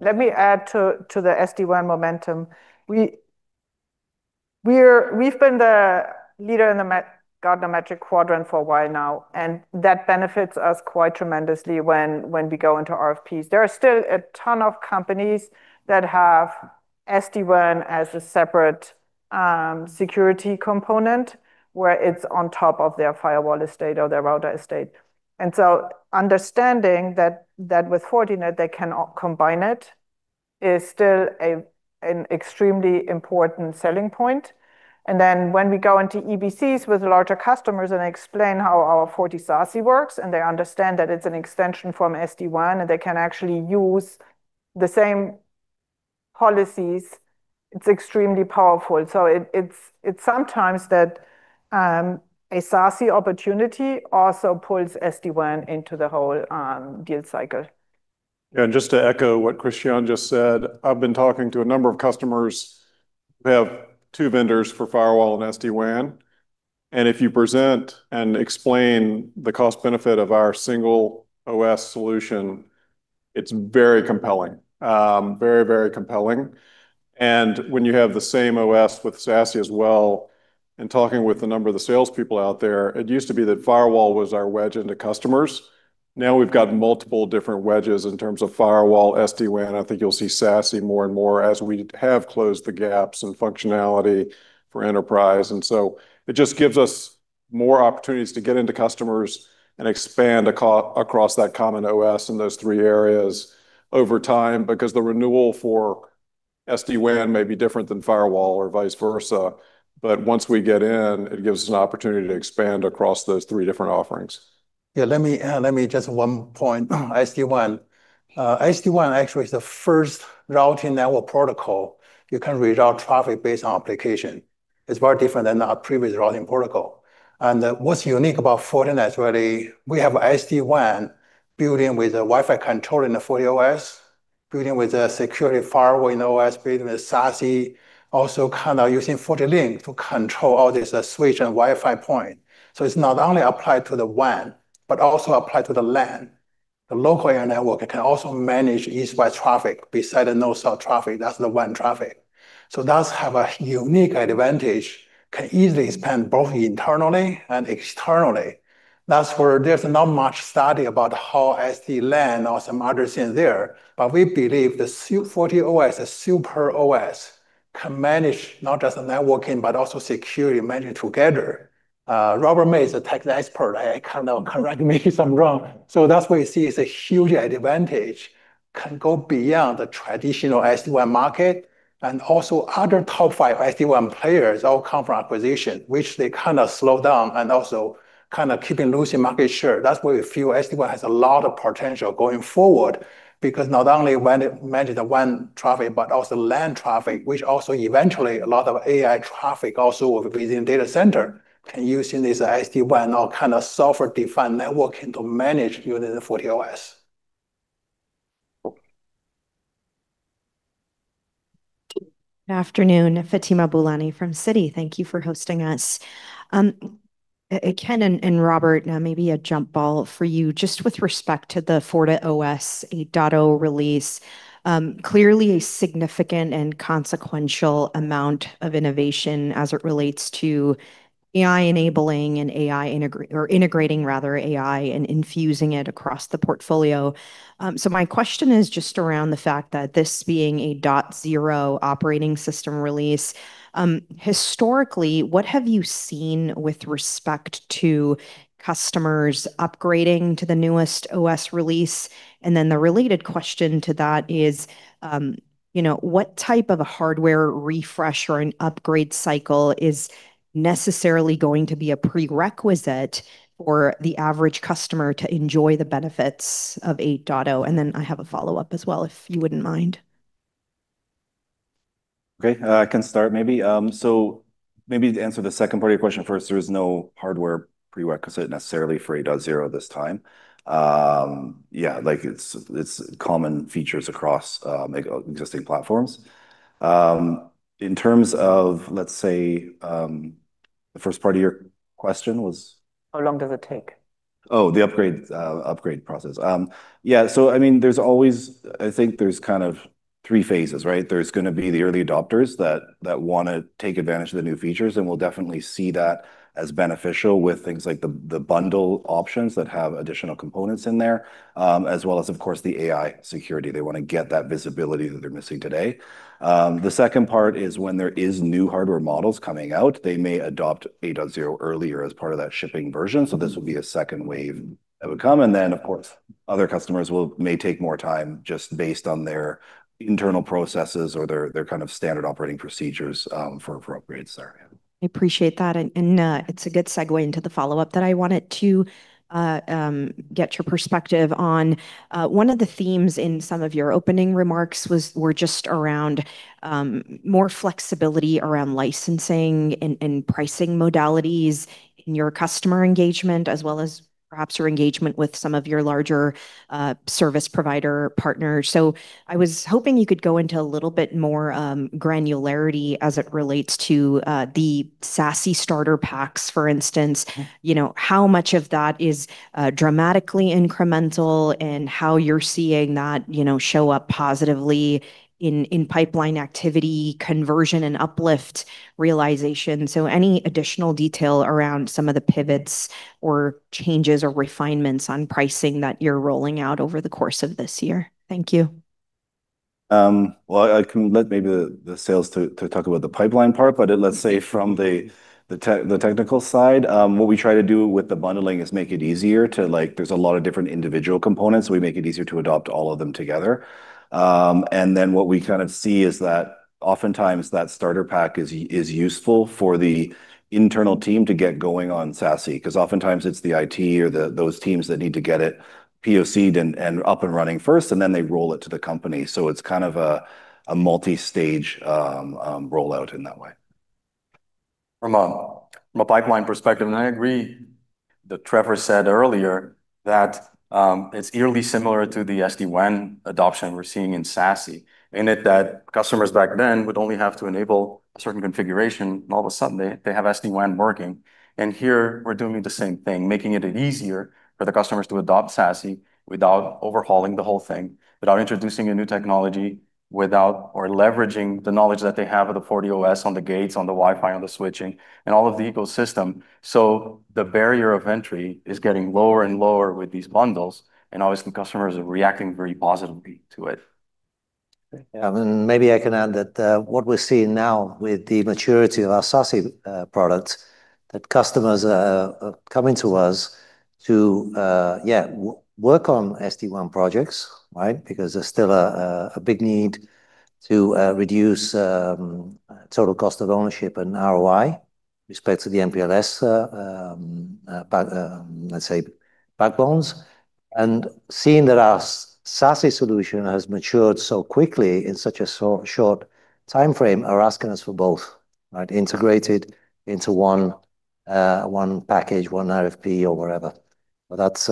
Let me add to the SD-WAN momentum. We've been the Leader in the Gartner Magic Quadrant for a while now, and that benefits us quite tremendously when we go into RFPs. There are still a ton of companies that have SD-WAN as a separate security component where it's on top of their firewall estate or their router estate. Understanding that with Fortinet they can combine it is still an extremely important selling point. When we go into EBCs with larger customers and explain how our FortiSASE works, and they understand that it's an extension from SD-WAN, and they can actually use the same policies, it's extremely powerful. It's sometimes that a SASE opportunity also pulls SD-WAN into the whole deal cycle. Yeah, just to echo what Christiane just said, I've been talking to a number of customers. We have two vendors for firewall and SD-WAN, and if you present and explain the cost benefit of our single OS solution, it's very compelling. Very compelling. When you have the same OS with SASE as well, and talking with a number of the salespeople out there, it used to be that firewall was our wedge into customers, now we've got multiple different wedges in terms of firewall, SD-WAN. I think you'll see SASE more and more as we have closed the gaps and functionality for enterprise. It just gives us more opportunities to get into customers and expand across that common OS in those three areas over time because the renewal for SD-WAN may be different than firewall or vice versa, but once we get in, it gives us an opportunity to expand across those three different offerings. Yeah, let me just one point. SD-WAN. SD-WAN actually is the first routing network protocol. You can reroute traffic based on application. It's very different than the previous routing protocol. What's unique about Fortinet is really we have SD-WAN built in with a Wi-Fi control in the FortiOS, built in with a security firewall in OS, built in with SASE. Also, kinda using FortiLink to control all this switch and Wi-Fi point. It's not only applied to the WAN, but also applied to the LAN. The local area network can also manage east-west traffic besides the north-south traffic. That's the WAN traffic. It does have a unique advantage, can easily expand both internally and externally. That's where there's not much study about how SD-LAN or some other things there, but we believe the FortiOS is super OS. Can manage not just the networking but also security managed together. Robert May is a tech expert. Correct me if I'm wrong. That's why you see it's a huge advantage, can go beyond the traditional SD-WAN market. Also other top five SD-WAN players all come from acquisition, which they kind of slow down and also kind of keeping losing market share. That's why we feel SD-WAN has a lot of potential going forward because not only when it manage the WAN traffic, but also LAN traffic, which also eventually a lot of AI traffic also within data center can use in this SD-WAN or kind of software-defined networking to manage using the FortiOS. Good afternoon, Fatima Boolani from Citi. Thank you for hosting us. Ken and Robert, now maybe a jump ball for you just with respect to the FortiOS 8.0 release, clearly a significant and consequential amount of innovation as it relates to AI enabling and AI integrating or rather integrating AI and infusing it across the portfolio. My question is just around the fact that this being a 8.0 operating system release, historically, what have you seen with respect to customers upgrading to the newest OS release? The related question to that is, you know, what type of a hardware refresh or an upgrade cycle is necessarily going to be a prerequisite for the average customer to enjoy the benefits of 8.0? I have a follow-up as well, if you wouldn't mind. Okay. I can start maybe. So maybe to answer the second part of your question first, there is no hardware prerequisite necessarily for 8.0 this time. Yeah, like it's common features across like existing platforms. In terms of, let's say, the first part of your question was? How long does it take? The upgrade process. Yeah, so I mean, there's always. I think there's kind of three phases, right? There's gonna be the early adopters that wanna take advantage of the new features, and we'll definitely see that as beneficial with things like the bundle options that have additional components in there, as well as, of course, the AI security. They wanna get that visibility that they're missing today. The second part is when there is new hardware models coming out, they may adopt 8.0 earlier as part of that shipping version. So this would be a second wave that would come. Then of course, other customers may take more time just based on their internal processes or their kind of standard operating procedures, for upgrades there, yeah. I appreciate that it's a good segue into the follow-up that I wanted to get your perspective on. One of the themes in some of your opening remarks was just around more flexibility around licensing and pricing modalities in your customer engagement, as well as perhaps your engagement with some of your larger service provider partners. I was hoping you could go into a little bit more granularity as it relates to the SASE starter packs, for instance. You know, how much of that is dramatically incremental and how you're seeing that, you know, show up positively in pipeline activity, conversion and uplift realization. Any additional detail around some of the pivots or changes or refinements on pricing that you're rolling out over the course of this year. Thank you. I can let maybe the sales to talk about the pipeline part. Let's say from the technical side, what we try to do with the bundling is make it easier to, like, there's a lot of different individual components. We make it easier to adopt all of them together. Then what we kind of see is that oftentimes that starter pack is useful for the internal team to get going on SASE, 'cause oftentimes it's the IT or those teams that need to get it POC'd and up and running first, and then they roll it to the company. It's kind of a multi-stage rollout in that way. From a pipeline perspective, I agree that Trevor said earlier that it's eerily similar to the SD-WAN adoption we're seeing in SASE in that customers back then would only have to enable a certain configuration, and all of a sudden they have SD-WAN working. Here we're doing the same thing, making it easier for the customers to adopt SASE without overhauling the whole thing, without introducing a new technology, or leveraging the knowledge that they have of the FortiOS on the FortiGates, on the Wi-Fi, on the switching, and all of the ecosystem. The barrier of entry is getting lower and lower with these bundles, and obviously customers are reacting very positively to it. Yeah. Maybe I can add that, what we're seeing now with the maturity of our SASE products, that customers are coming to us to, yeah, work on SD-WAN projects, right? Because there's still a big need to reduce total cost of ownership and ROI with respect to the MPLS, let's say, backbones. Seeing that our SASE solution has matured so quickly in such a short timeframe are asking us for both, right, integrated into one package, one RFP or whatever. That's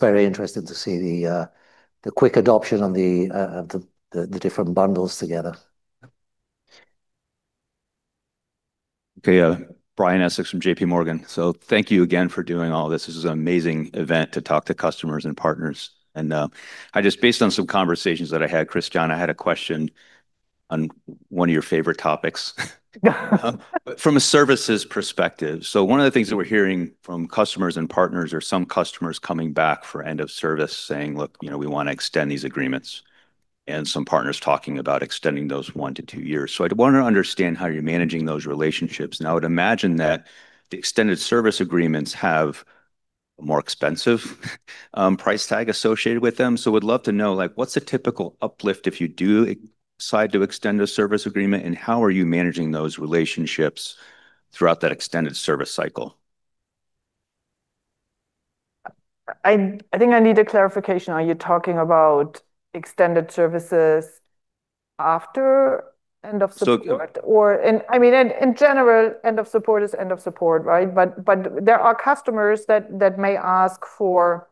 very interesting to see the quick adoption of the different bundles together. Okay, Brian Essex from JPMorgan. Thank you again for doing all this. This is an amazing event to talk to customers and partners. I just, based on some conversations that I had, Christiane, I had a question on one of your favorite topics. From a services perspective, one of the things that we're hearing from customers and partners or some customers coming back for end of service saying, "Look, you know, we wanna extend these agreements. Some partners talking about extending those one to two years. I'd want to understand how you're managing those relationships. Now I would imagine that the extended service agreements have more expensive price tag associated with them. Would love to know, like, what's a typical uplift if you do decide to extend a service agreement, and how are you managing those relationships throughout that extended service cycle? I think I need a clarification. Are you talking about extended services after end of support? So- I mean, in general, end of support is end of support, right? There are customers that may ask for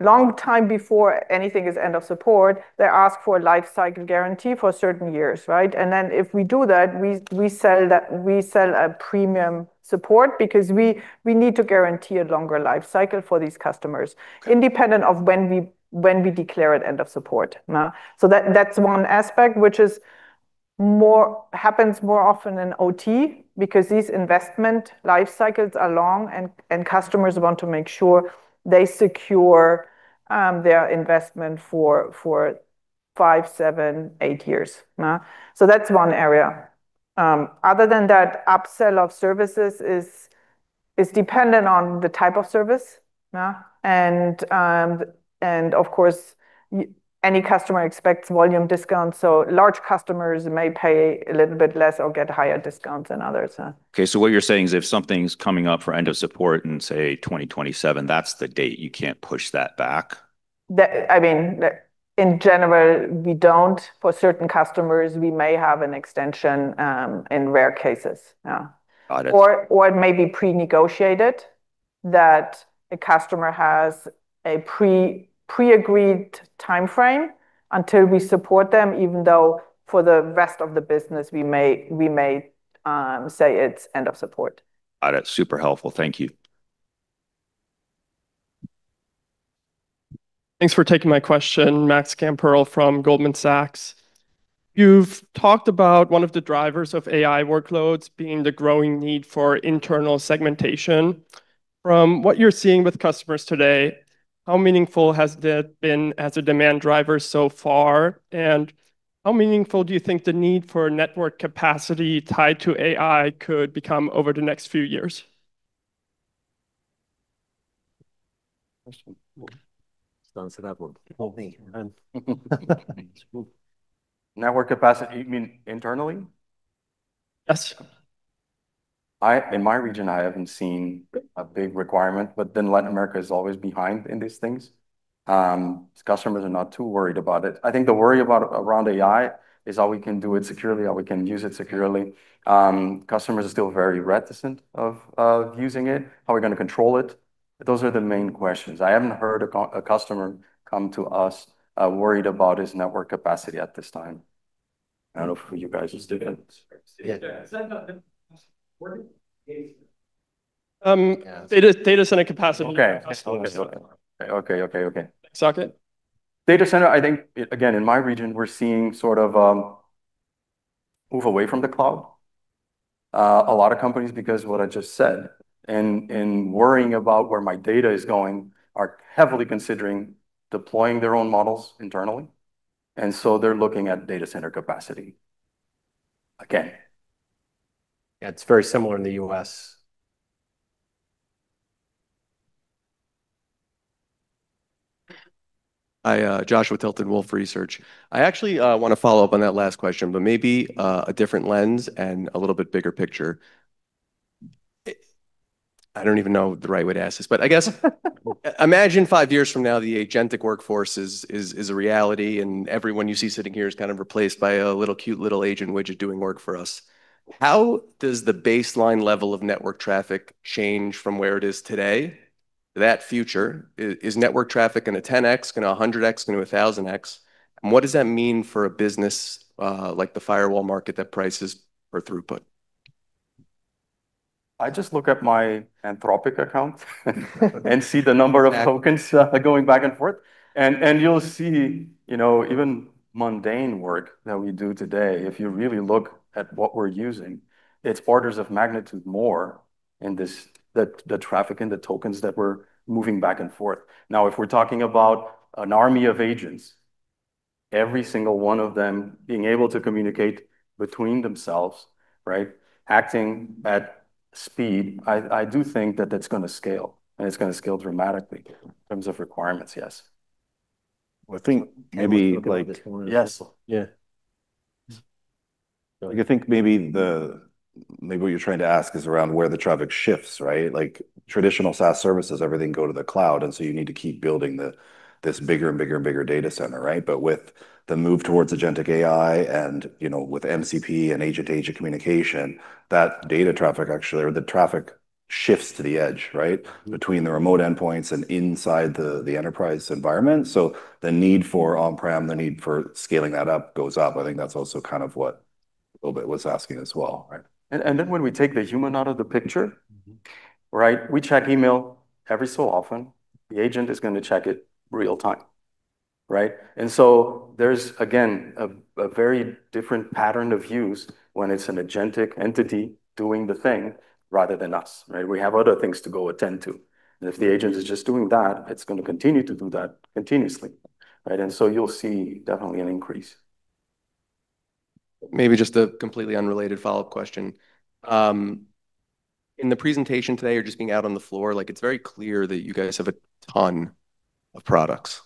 long time before anything is end of support. They ask for a life cycle guarantee for certain years, right? Then if we do that, we sell that we sell a premium support because we need to guarantee a longer life cycle for these customers independent of when we declare it end of support, no? That's one aspect which is more happens more often in OT because these investment life cycles are long and customers want to make sure they secure their investment for five, seven, eight years, no? That's one area. Other than that, upsell of services is dependent on the type of service, no? Of course, any customer expects volume discounts, so large customers may pay a little bit less or get higher discounts than others have. Okay. What you're saying is if something's coming up for end of support in, say, 2027, that's the date, you can't push that back? I mean, in general, we don't. For certain customers, we may have an extension, in rare cases, yeah. Got it. It may be pre-negotiated that a customer has a pre-agreed timeframe until we support them, even though for the rest of the business we may say it's end of support. Got it. Super helpful. Thank you. Thanks for taking my question. Max Gamperl from Goldman Sachs. You've talked about one of the drivers of AI workloads being the growing need for internal segmentation. From what you're seeing with customers today, how meaningful has that been as a demand driver so far? How meaningful do you think the need for network capacity tied to AI could become over the next few years? Question. Who wants to answer that one? Me? Network capacity, you mean internally? Yes, sir. In my region, I haven't seen a big requirement, but then Latin America is always behind in these things. Customers are not too worried about it. I think the worry about around AI is how we can do it securely, how we can use it securely. Customers are still very reticent of using it, how we're gonna control it. Those are the main questions. I haven't heard a customer come to us worried about his network capacity at this time. I don't know if you guys are seeing it. Yeah. What? Data center. Um- Yeah. Data, data center capacity. Okay. Customer capacity. Okay. Socket. Data center, I think, again, in my region, we're seeing sort of move away from the cloud. A lot of companies, because what I just said, and worrying about where my data is going, are heavily considering deploying their own models internally. They're looking at data center capacity. Again. Yeah, it's very similar in the U.S. Hi, Joshua Tilton, Wolfe Research. I actually wanna follow up on that last question, but maybe a different lens and a little bit bigger picture. I don't even know the right way to ask this. I guess imagine five years from now, the agentic workforce is a reality and everyone you see sitting here is kind of replaced by a little cute little agent widget doing work for us. How does the baseline level of network traffic change from where it is today to that future? Is network traffic gonna 10x, gonna 100x, gonna 1,000x? And what does that mean for a business like the firewall market that prices for throughput? I just look at my Anthropic account and see the number of tokens going back and forth. You'll see, you know, even mundane work that we do today, if you really look at what we're using, it's orders of magnitude more in this, the traffic and the tokens that we're moving back and forth. Now, if we're talking about an army of agents, every single one of them being able to communicate between themselves, right? Acting at speed, I do think that that's gonna scale, and it's gonna scale dramatically in terms of requirements, yes. Well, I think maybe. Yes. Yeah. I think maybe what you're trying to ask is around where the traffic shifts, right? Like traditional SaaS services, everything go to the cloud, and so you need to keep building this bigger and bigger and bigger data center, right? With the move towards Agentic AI and, you know, with MCP and agent-to-agent communication, that data traffic actually, or the traffic shifts to the edge, right? Between the remote endpoints and inside the enterprise environment. The need for on-prem, the need for scaling that up goes up. I think that's also kind of what Wilbert was asking as well, right? when we take the human out of the picture. Right? We check email every so often. The agent is gonna check it real time, right? There's again, a very different pattern of use when it's an agentic entity doing the thing rather than us, right? We have other things to go attend to, and if the agent is just doing that, it's gonna continue to do that continuously, right? You'll see definitely an increase. Maybe just a completely unrelated follow-up question. In the presentation today or just being out on the floor, like, it's very clear that you guys have a ton of products,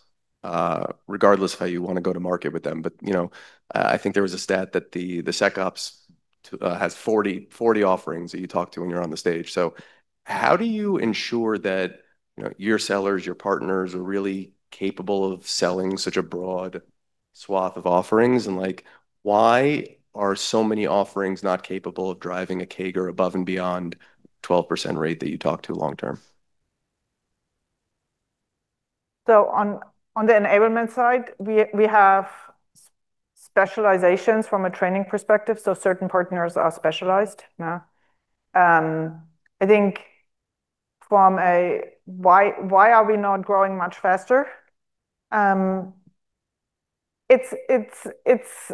regardless of how you wanna go to market with them. You know, I think there was a stat that the SecOps team has 40 offerings that you talked about when you were on the stage. How do you ensure that, you know, your sellers, your partners are really capable of selling such a broad swath of offerings? Like, why are so many offerings not capable of driving a CAGR above and beyond 12% rate that you talked about long term? On the enablement side, we have specializations from a training perspective, so certain partners are specialized now. I think from a why are we not growing much faster? It's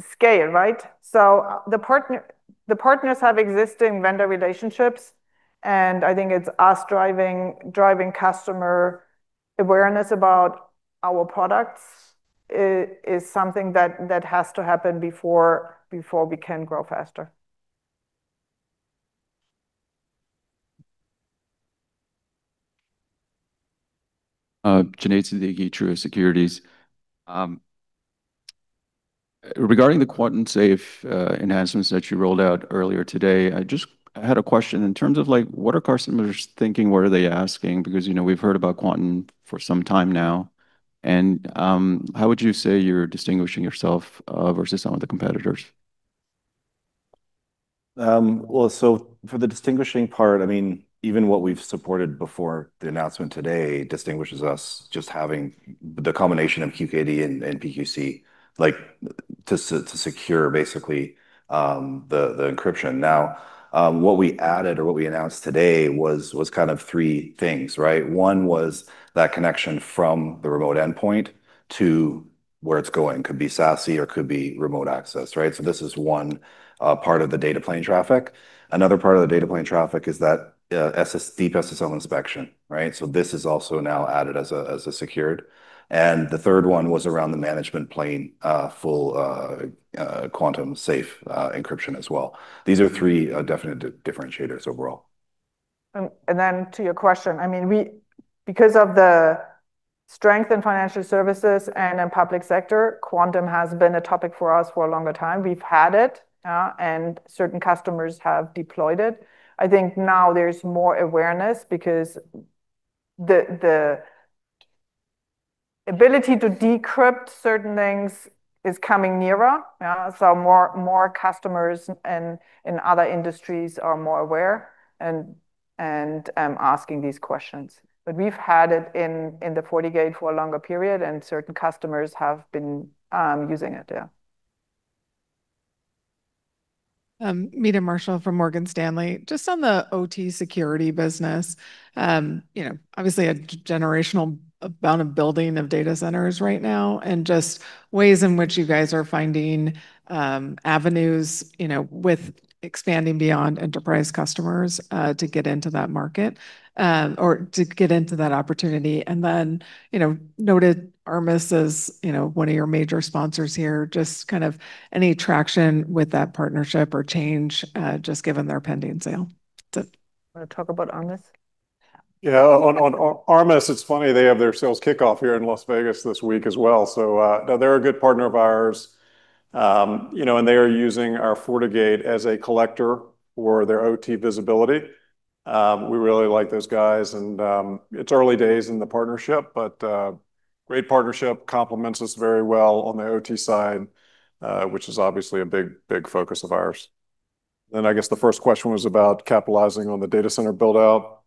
scale, right? The partners have existing vendor relationships, and I think it's us driving customer awareness about our products is something that has to happen before we can grow faster. Junaid Siddiqui, Truist Securities. Regarding the quantum-safe enhancements that you rolled out earlier today, I had a question in terms of like, what are customers thinking? What are they asking? Because, you know, we've heard about quantum for some time now. How would you say you're distinguishing yourself versus some of the competitors? Well, for the distinguishing part, I mean, even what we've supported before the announcement today distinguishes us just having the combination of QKD and PQC, like, to secure basically, the encryption. Now, what we added or what we announced today was kind of three things, right? One was that connection from the remote endpoint to where it's going. Could be SASE or could be remote access, right? This is one part of the data plane traffic. Another part of the data plane traffic is that deep SSL inspection, right? This is also now added as a secured. The third one was around the management plane, full quantum-safe encryption as well. These are three definite differentiators overall. To your question. I mean, because of the strength in financial services and in public sector, quantum has been a topic for us for a longer time. We've had it, and certain customers have deployed it. I think now there's more awareness because the ability to decrypt certain things is coming nearer. So more customers and in other industries are more aware and asking these questions. But we've had it in the FortiGate for a longer period, and certain customers have been using it. Meta Marshall from Morgan Stanley. Just on the OT security business, you know, obviously a generational amount of building of data centers right now and just ways in which you guys are finding, avenues, you know, with expanding beyond enterprise customers, to get into that market, or to get into that opportunity. You know, noted Armis as, you know, one of your major sponsors here. Just kind of any traction with that partnership or change, just given their pending sale. That's it. Wanna talk about Armis? Yeah. On Armis, it's funny, they have their sales kickoff here in Las Vegas this week as well. They're a good partner of ours. They are using our FortiGate as a collector for their OT visibility. We really like those guys and it's early days in the partnership, but great partnership, complements us very well on the OT side, which is obviously a big focus of ours. I guess the first question was about capitalizing on the data center build-out.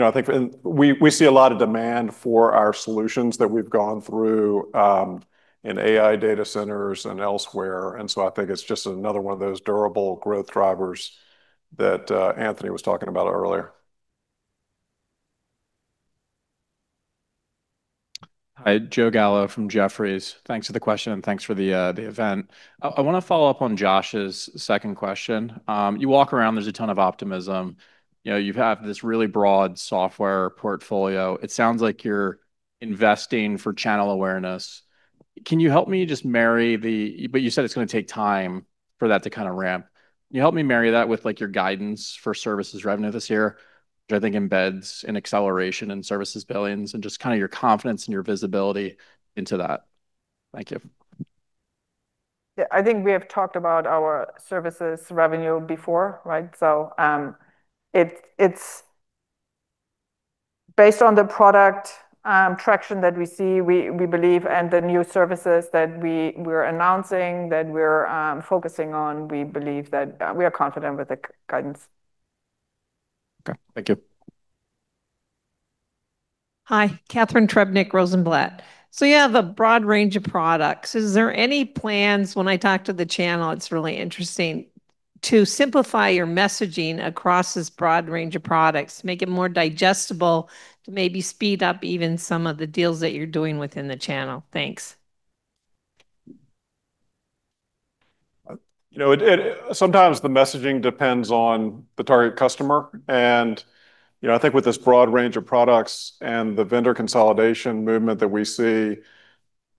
I think we see a lot of demand for our solutions that we've gone through in AI data centers and elsewhere. I think it's just another one of those durable growth drivers that Anthony was talking about earlier. Hi, Joe Gallo from Jefferies. Thanks for the question, and thanks for the event. I wanna follow up on Josh's second question. You walk around, there's a ton of optimism. You know, you have this really broad software portfolio. It sounds like you're investing for channel awareness. You said it's gonna take time for that to kinda ramp. Can you help me marry that with, like, your guidance for services revenue this year, which I think embeds an acceleration in services billings, and just kinda your confidence and your visibility into that? Thank you. Yeah, I think we have talked about our services revenue before, right? It's based on the product traction that we see, we believe, and the new services that we're announcing, that we're focusing on. We believe that we are confident with the guidance. Okay. Thank you. Hi, Catharine Trebnick, Rosenblatt. You have a broad range of products. Is there any plans, when I talk to the channel, it's really interesting, to simplify your messaging across this broad range of products, make it more digestible to maybe speed up even some of the deals that you're doing within the channel? Thanks. You know, sometimes the messaging depends on the target customer. You know, I think with this broad range of products and the vendor consolidation movement that we see,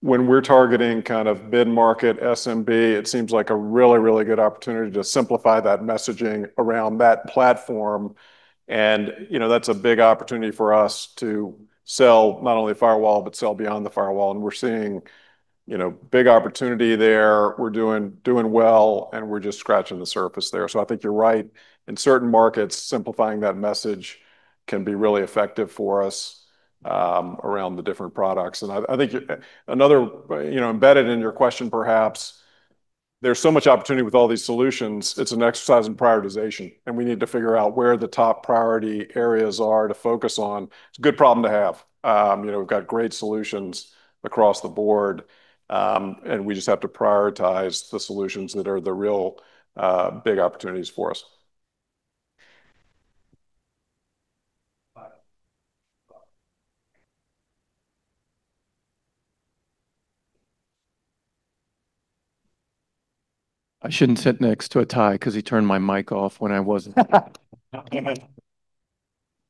when we're targeting kind of mid-market SMB, it seems like a really good opportunity to simplify that messaging around that platform. You know, that's a big opportunity for us to sell not only firewall, but sell beyond the firewall. We're seeing, you know, big opportunity there. We're doing well, and we're just scratching the surface there. I think you're right. In certain markets, simplifying that message can be really effective for us around the different products. I think another. You know, embedded in your question perhaps, there's so much opportunity with all these solutions, it's an exercise in prioritization, and we need to figure out where the top priority areas are to focus on. It's a good problem to have. You know, we've got great solutions across the board, and we just have to prioritize the solutions that are the real, big opportunities for us. I shouldn't sit next to Ittai 'cause he turned my mic off when I wasn't talking.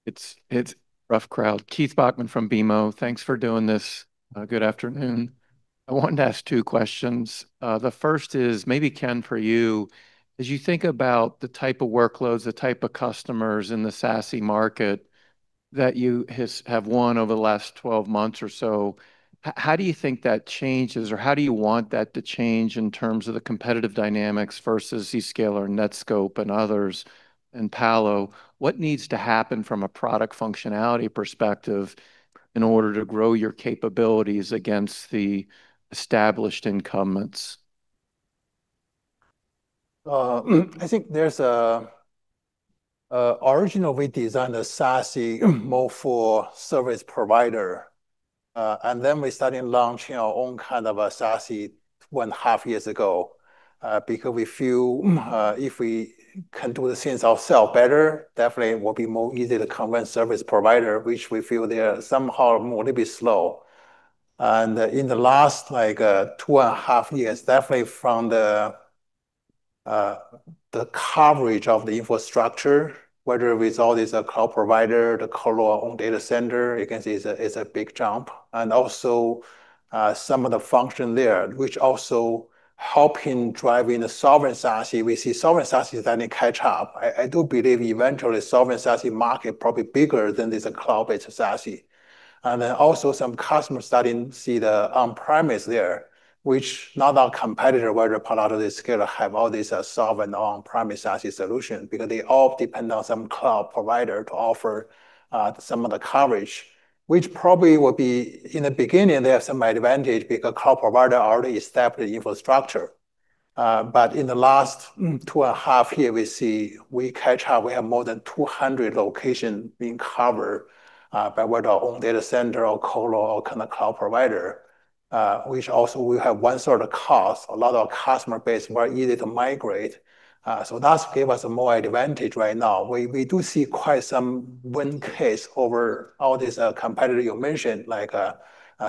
It's a rough crowd. Keith Bachman from BMO. Thanks for doing this. Good afternoon. I wanted to ask two questions. The first is maybe, Ken, for you. As you think about the type of workloads, the type of customers in the SASE market that you have won over the last 12 months or so, how do you think that changes, or how do you want that to change in terms of the competitive dynamics versus Zscaler, Netskope, and others, and Palo Alto? What needs to happen from a product functionality perspective in order to grow your capabilities against the established incumbents? I think originally we designed the SASE more for service provider, and then we started launching our own kind of a SASE one and a half years ago, because we feel if we can do the things ourselves better, definitely it will be more easy to convince service provider, which we feel they are somehow a little bit slow. In the last, like, two and a half years, definitely from the coverage of the infrastructure, whether with all these cloud providers to colo data centers, you can see it's a big jump. Also, some of the function there, which also helping drive in the sovereign SASE. We see sovereign SASE starting to catch up. I do believe eventually sovereign SASE market probably bigger than this cloud-based SASE. Also some customers starting to see the on-premise there, which none of our competitors, whether Palo Alto, Zscaler, have all these sovereign on-premise SASE solutions because they all depend on some cloud provider to offer some of the coverage, which probably would be. In the beginning, they have some advantage because cloud provider already established infrastructure. In the last two and half years, we see we catch up. We have more than 200 locations being covered by whether our own data center or co-lo or kind of cloud provider, which also we have one sort of cost. A lot of customer base more easy to migrate. That gave us more advantage right now. We do see quite some win cases over all these competitors you mentioned, like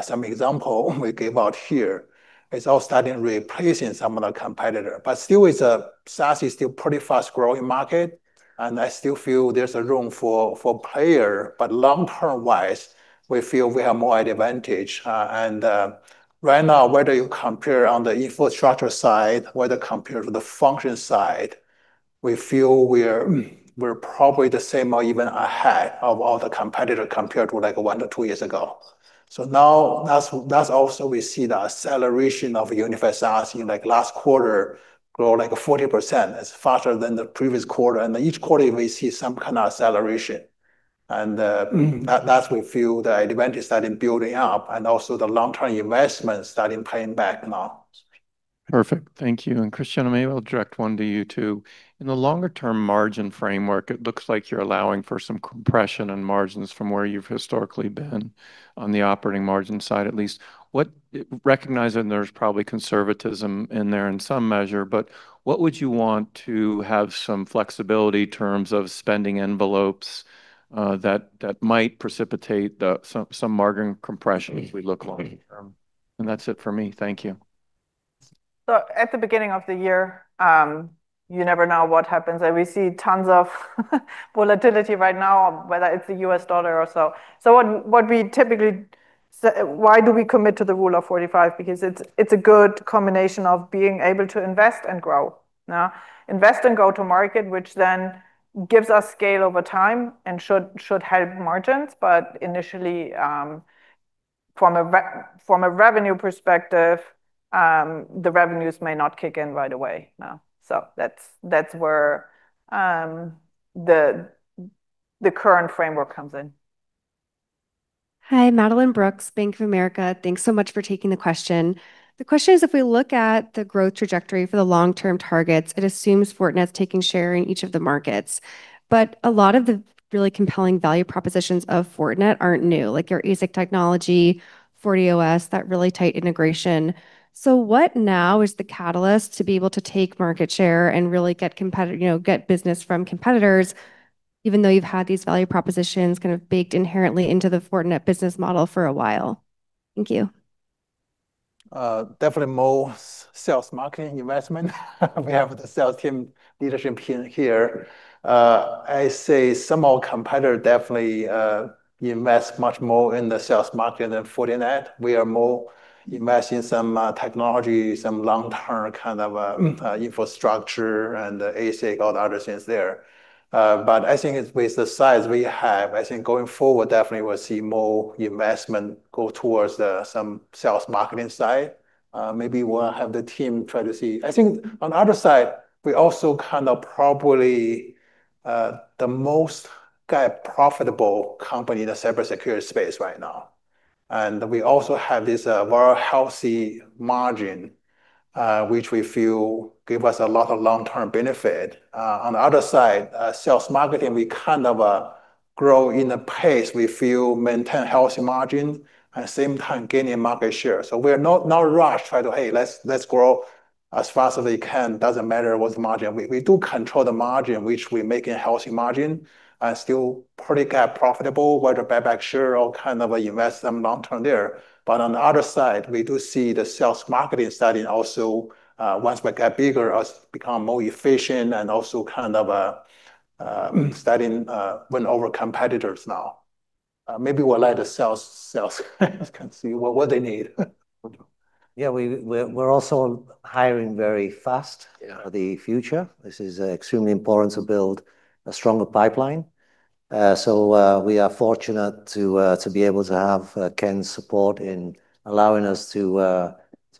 some example we gave out here. It's all starting replacing some of the competitor. Still is a SASE still pretty fast-growing market, and I still feel there's a room for player. Long-term wise, we feel we have more advantage. Right now, whether you compare on the infrastructure side, whether compare to the function side, we feel we're probably the same or even ahead of all the competitor compared to, like, one to two years ago. Now that's also we see the acceleration of unified SASE. In like last quarter grow like 40%. It's faster than the previous quarter. Each quarter we see some kind of acceleration. That we feel the advantage starting building up and also the long-term investment starting paying back now. Perfect. Thank you. Christiane, maybe I'll direct one to you too. In the longer term margin framework, it looks like you're allowing for some compression in margins from where you've historically been on the operating margin side at least. Recognizing there's probably conservatism in there in some measure, but what would you want to have some flexibility in terms of spending envelopes, that might precipitate some margin compression as we look longer term? That's it for me. Thank you. At the beginning of the year, you never know what happens, and we see tons of volatility right now, whether it's the U.S. dollar or so. Why do we commit to the Rule of 45? Because it's a good combination of being able to invest and grow. Now, invest and go to market, which then gives us scale over time and should help margins. But initially, from a revenue perspective, the revenues may not kick in right away. No. That's where the current framework comes in. Hi. Madeline Brooks, Bank of America. Thanks so much for taking the question. The question is, if we look at the growth trajectory for the long-term targets, it assumes Fortinet's taking share in each of the markets. A lot of the really compelling value propositions of Fortinet aren't new, like your ASIC technology, FortiOS, that really tight integration. What now is the catalyst to be able to take market share and really you know, get business from competitors, even though you've had these value propositions kind of baked inherently into the Fortinet business model for a while? Thank you. Definitely more sales marketing investment. We have the sales team leadership team here. I say some of our competitor definitely invest much more in the sales market than Fortinet. We are more invest in some technology, some long-term kind of infrastructure and the ASIC, all the other things there. I think it's with the size we have, I think going forward, definitely we'll see more investment go towards some sales marketing side. Maybe we'll have the team try to see. I think on the other side, we also kind of probably the most kind of profitable company in the cybersecurity space right now. We also have this very healthy margin, which we feel give us a lot of long-term benefit. On the other side, sales marketing, we kind of grow in a pace we feel maintain healthy margin, at same time gaining market share. We're not rush try to, "Hey, let's grow as fast as we can," doesn't matter what the margin. We do control the margin, which we make a healthy margin and still pretty profitable. Whether buyback share or kind of invest some long term there. On the other side, we do see the sales marketing starting also once we get bigger, us become more efficient and also kind of starting win over competitors now. Maybe we'll let the sales guys can see what they need. Yeah, we're also hiring very fast for the future. This is extremely important to build a stronger pipeline. We are fortunate to be able to have Ken's support in allowing us to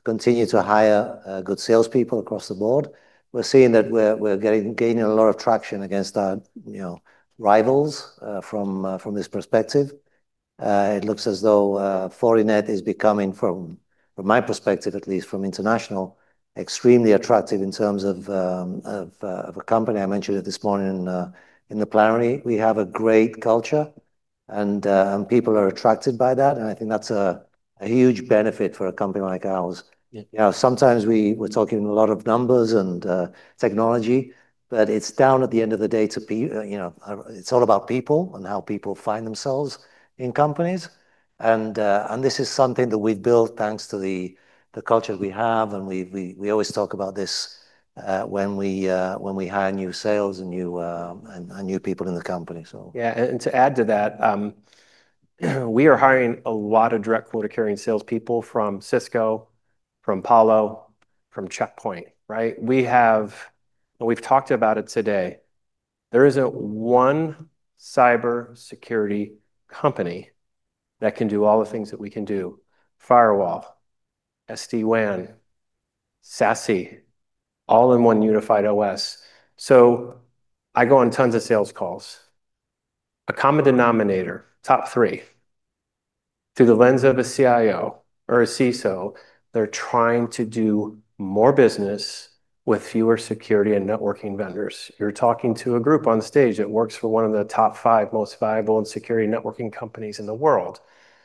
continue to hire good salespeople across the board. We're seeing that we're gaining a lot of traction against you know, rivals from this perspective. It looks as though Fortinet is becoming from my perspective, at least from international, extremely attractive in terms of a company. I mentioned it this morning in the plenary. We have a great culture, and people are attracted by that, and I think that's a huge benefit for a company like ours. You know, sometimes we're talking a lot of numbers and technology, but at the end of the day, you know, it's all about people and how people find themselves in companies. This is something that we've built thanks to the culture we have, and we always talk about this when we hire new sales and new people in the company. To add to that, we are hiring a lot of direct order carrying salespeople from Cisco, from Palo Alto, CheckPoint, right? We've talked about it today. There isn't one cybersecurity company that can do all the things that we can do. Firewall, SD-WAN, SASE, all in one unified OS. I go on tons of sales calls. A common denominator, top three, through the lens of a CIO or a CISO, they're trying to do more business with fewer security and networking vendors. You're talking to a group on stage that works for one of the top five most viable security and networking companies in the world.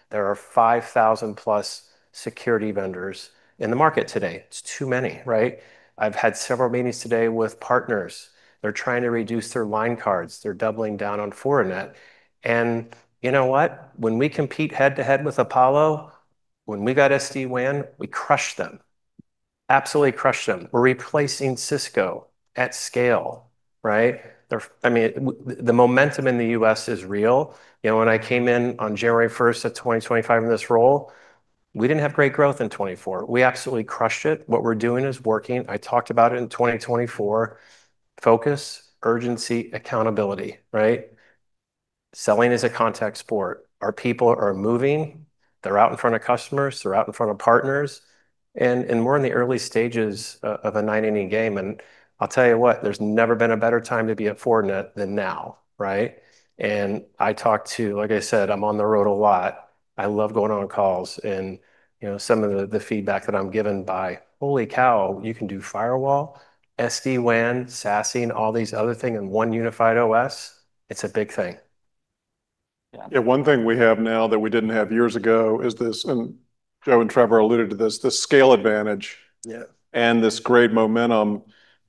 There are 5,000+ security vendors in the market today. It's too many, right? I've had several meetings today with partners. They're trying to reduce their line cards. They're doubling down on Fortinet. You know what? When we compete head to head with Palo Alto, when we got SD-WAN, we crushed them. Absolutely crushed them. We're replacing Cisco at scale, right? They're. I mean, the momentum in the U.S. is real. You know, when I came in on January 1st of 2025 in this role, we didn't have great growth in 2024. We absolutely crushed it. What we're doing is working. I talked about it in 2024, focus, urgency, accountability, right? Selling is a contact sport. Our people are moving. They're out in front of customers, they're out in front of partners, and we're in the early stages of a nine-inning game. I'll tell you what, there's never been a better time to be at Fortinet than now, right? Like I said, I'm on the road a lot. I love going on calls and, you know, some of the feedback that I'm given by, "Holy cow, you can do firewall, SD-WAN, SASE, and all these other thing in one unified OS." It's a big thing. Yeah, one thing we have now that we didn't have years ago is this, and Joe and Trevor alluded to this, the scale advantage. This great momentum.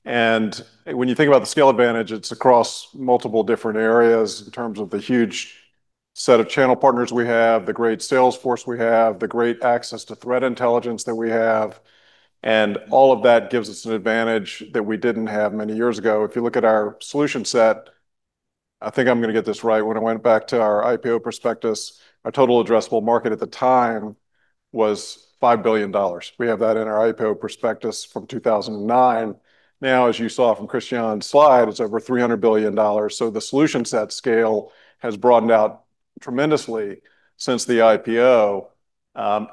When you think about the scale advantage, it's across multiple different areas in terms of the huge set of channel partners we have, the great sales force we have, the great access to threat intelligence that we have, and all of that gives us an advantage that we didn't have many years ago. If you look at our solution set, I think I'm gonna get this right. When I went back to our IPO prospectus, our total addressable market at the time was $5 billion. We have that in our IPO prospectus from 2009. Now, as you saw from Christiane's slide, it's over $300 billion. The solution set scale has broadened out tremendously since the IPO,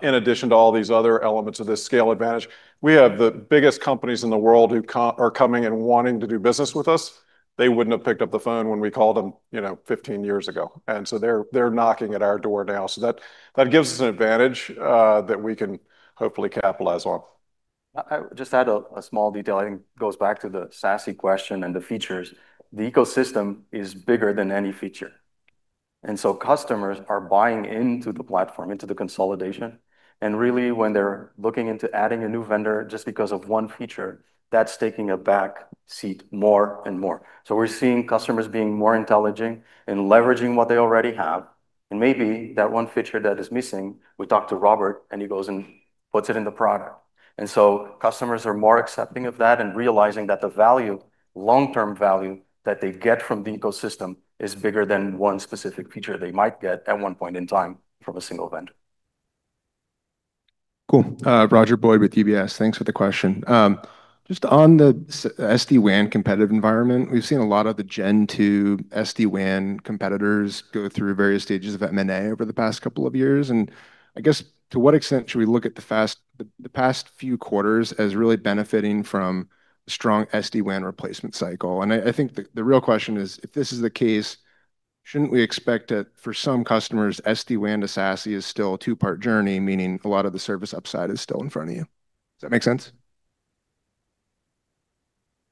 in addition to all these other elements of this scale advantage. We have the biggest companies in the world who are coming and wanting to do business with us. They wouldn't have picked up the phone when we called them, you know, 15 years ago. They're knocking at our door now. That gives us an advantage that we can hopefully capitalize on. I just add a small detail. I think it goes back to the SASE question and the features. The ecosystem is bigger than any feature. Customers are buying into the platform, into the consolidation. Really, when they're looking into adding a new vendor just because of one feature, that's taking a back seat more and more. We're seeing customers being more intelligent and leveraging what they already have. Maybe that one feature that is missing, we talk to Robert, and he goes and puts it in the product. Customers are more accepting of that and realizing that the value, long-term value that they get from the ecosystem is bigger than one specific feature they might get at one point in time from a single vendor. Cool. Roger Boyd with UBS. Thanks for the question. Just on the SD-WAN competitive environment, we've seen a lot of the gen two SD-WAN competitors go through various stages of M&A over the past couple of years. I guess to what extent should we look at the past few quarters as really benefiting from strong SD-WAN replacement cycle? I think the real question is, if this is the case, shouldn't we expect that for some customers, SD-WAN to SASE is still a two-part journey, meaning a lot of the service upside is still in front of you. Does that make sense?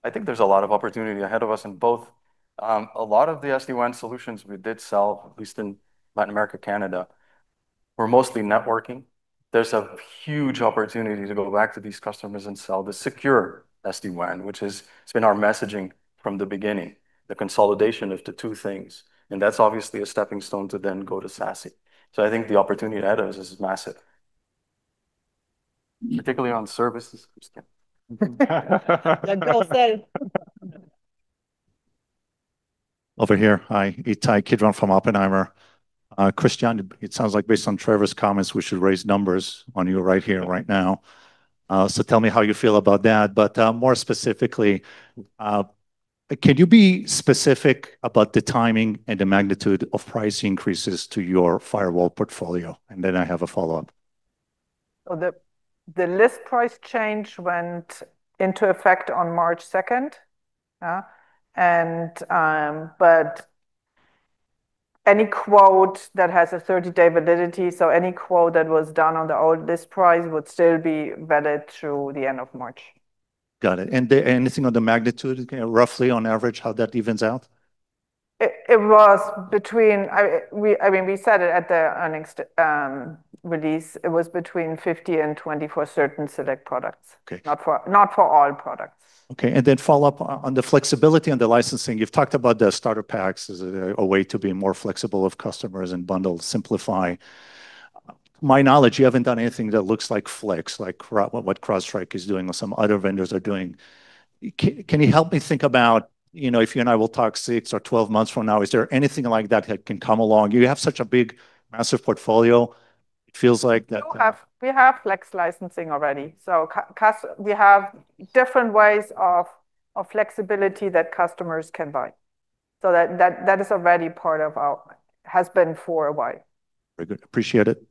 I think there's a lot of opportunity ahead of us in both. A lot of the SD-WAN solutions we did sell, at least in Latin America, Canada, were mostly networking. There's a huge opportunity to go back to these customers and sell the secure SD-WAN, which is it's been our messaging from the beginning, the consolidation of the two things, and that's obviously a stepping stone to then go to SASE. I think the opportunity ahead of us is massive. Particularly on services. Let Joe say it. Over here. Hi. Ittai Kidron from Oppenheimer. Christiane, it sounds like based Trevor's comments, we should raise numbers on you right here, right now. So tell me how you feel about that. More specifically, can you be specific about the timing and the magnitude of price increases to your firewall portfolio? And then I have a follow-up. The list price change went into effect on March second. But any quote that has a 30-day validity, so any quote that was done on the old list price would still be valid through the end of March. Got it. Anything on the magnitude, roughly on average, how that evens out? I mean, we said it at the earnings release. It was between 50% and 20% for certain select products. Okay. Not for all products. Okay. Follow up on the flexibility on the licensing. You've talked about the starter packs as a way to be more flexible with customers and bundle, simplify. To my knowledge, you haven't done anything that looks like flex, like what CrowdStrike is doing or some other vendors are doing. Can you help me think about, you know, if you and I will talk six or 12 months from now, is there anything like that that can come along? You have such a big, massive portfolio. It feels like that. We have flex licensing already. We have different ways of flexibility that customers can buy. That is already part of ours. Has been for a while. Very good. Appreciate it.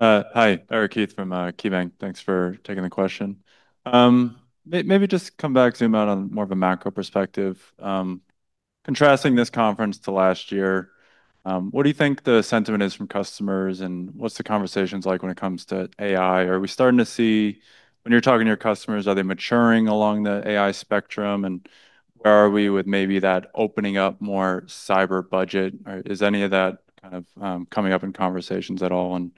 Hi. Eric Heath from KeyBanc. Thanks for taking the question. Maybe just come back, zoom out on more of a macro perspective. Contrasting this conference to last year, what do you think the sentiment is from customers, and what's the conversations like when it comes to AI? Are we starting to see, when you're talking to your customers, are they maturing along the AI spectrum? And where are we with maybe that opening up more cyber budget? Is any of that kind of coming up in conversations at all? And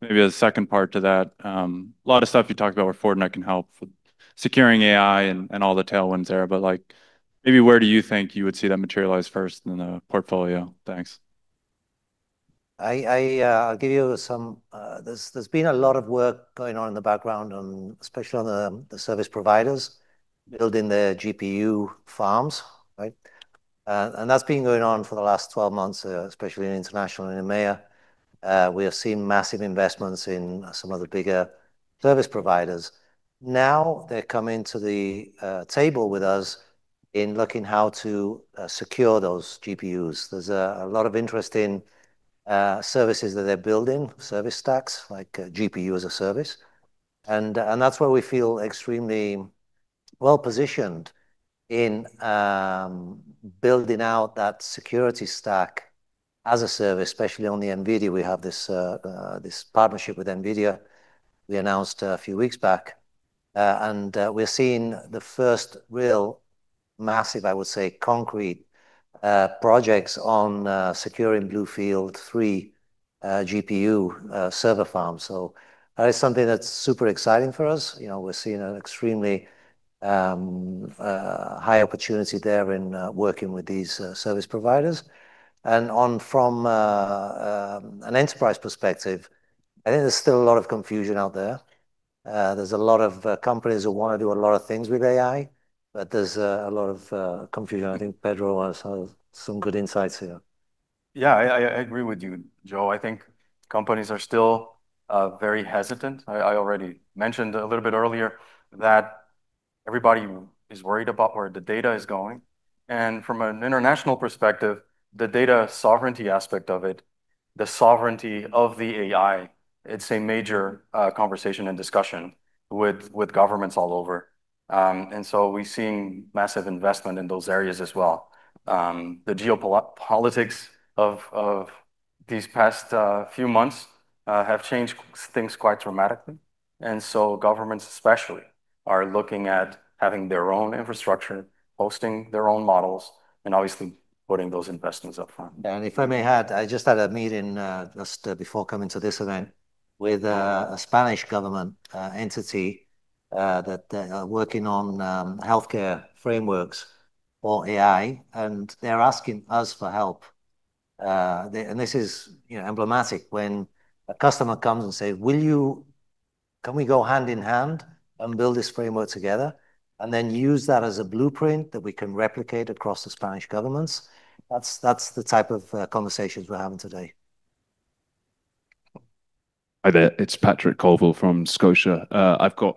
maybe the second part to that, a lot of stuff you talked about where Fortinet can help securing AI and all the tailwinds there, but, like, maybe where do you think you would see that materialize first in the portfolio? Thanks. There's been a lot of work going on in the background, especially on the service providers building their DPU farms, right? That's been going on for the last 12 months, especially in international and EMEA. We have seen massive investments in some of the bigger service providers. Now they're coming to the table with us in looking how to secure those DPUs. There's a lot of interest in services that they're building, service stacks like DPU as a Service. That's where we feel extremely well-positioned in building out that security stack as a service, especially on the NVIDIA. We have this partnership with NVIDIA we announced a few weeks back. We're seeing the first real massive, I would say, concrete projects on securing BlueField-3 DPU server farms. That is something that's super exciting for us. You know, we're seeing an extremely high opportunity there in working with these service providers. From an enterprise perspective, I think there's still a lot of confusion out there. There's a lot of companies who wanna do a lot of things with AI, but there's a lot of confusion. I think Pedro has some good insights here. Yeah. I agree with you, Joe. I think companies are still very hesitant. I already mentioned a little bit earlier that everybody is worried about where the data is going. From an international perspective, the data sovereignty aspect of it, the sovereignty of the AI, it's a major conversation and discussion with governments all over. We're seeing massive investment in those areas as well. The geopolitics of these past few months have changed things quite dramatically. Governments especially are looking at having their own infrastructure, hosting their own models, and obviously putting those investments up front. If I may add, I just had a meeting just before coming to this event with a Spanish government entity that they are working on healthcare frameworks for AI, and they're asking us for help. This is, you know, emblematic when a customer comes and says, "Can we go hand-in-hand and build this framework together, and then use that as a blueprint that we can replicate across the Spanish governments?" That's the type of conversations we're having today. Hi there. It's Patrick Colville from Scotiabank. I've got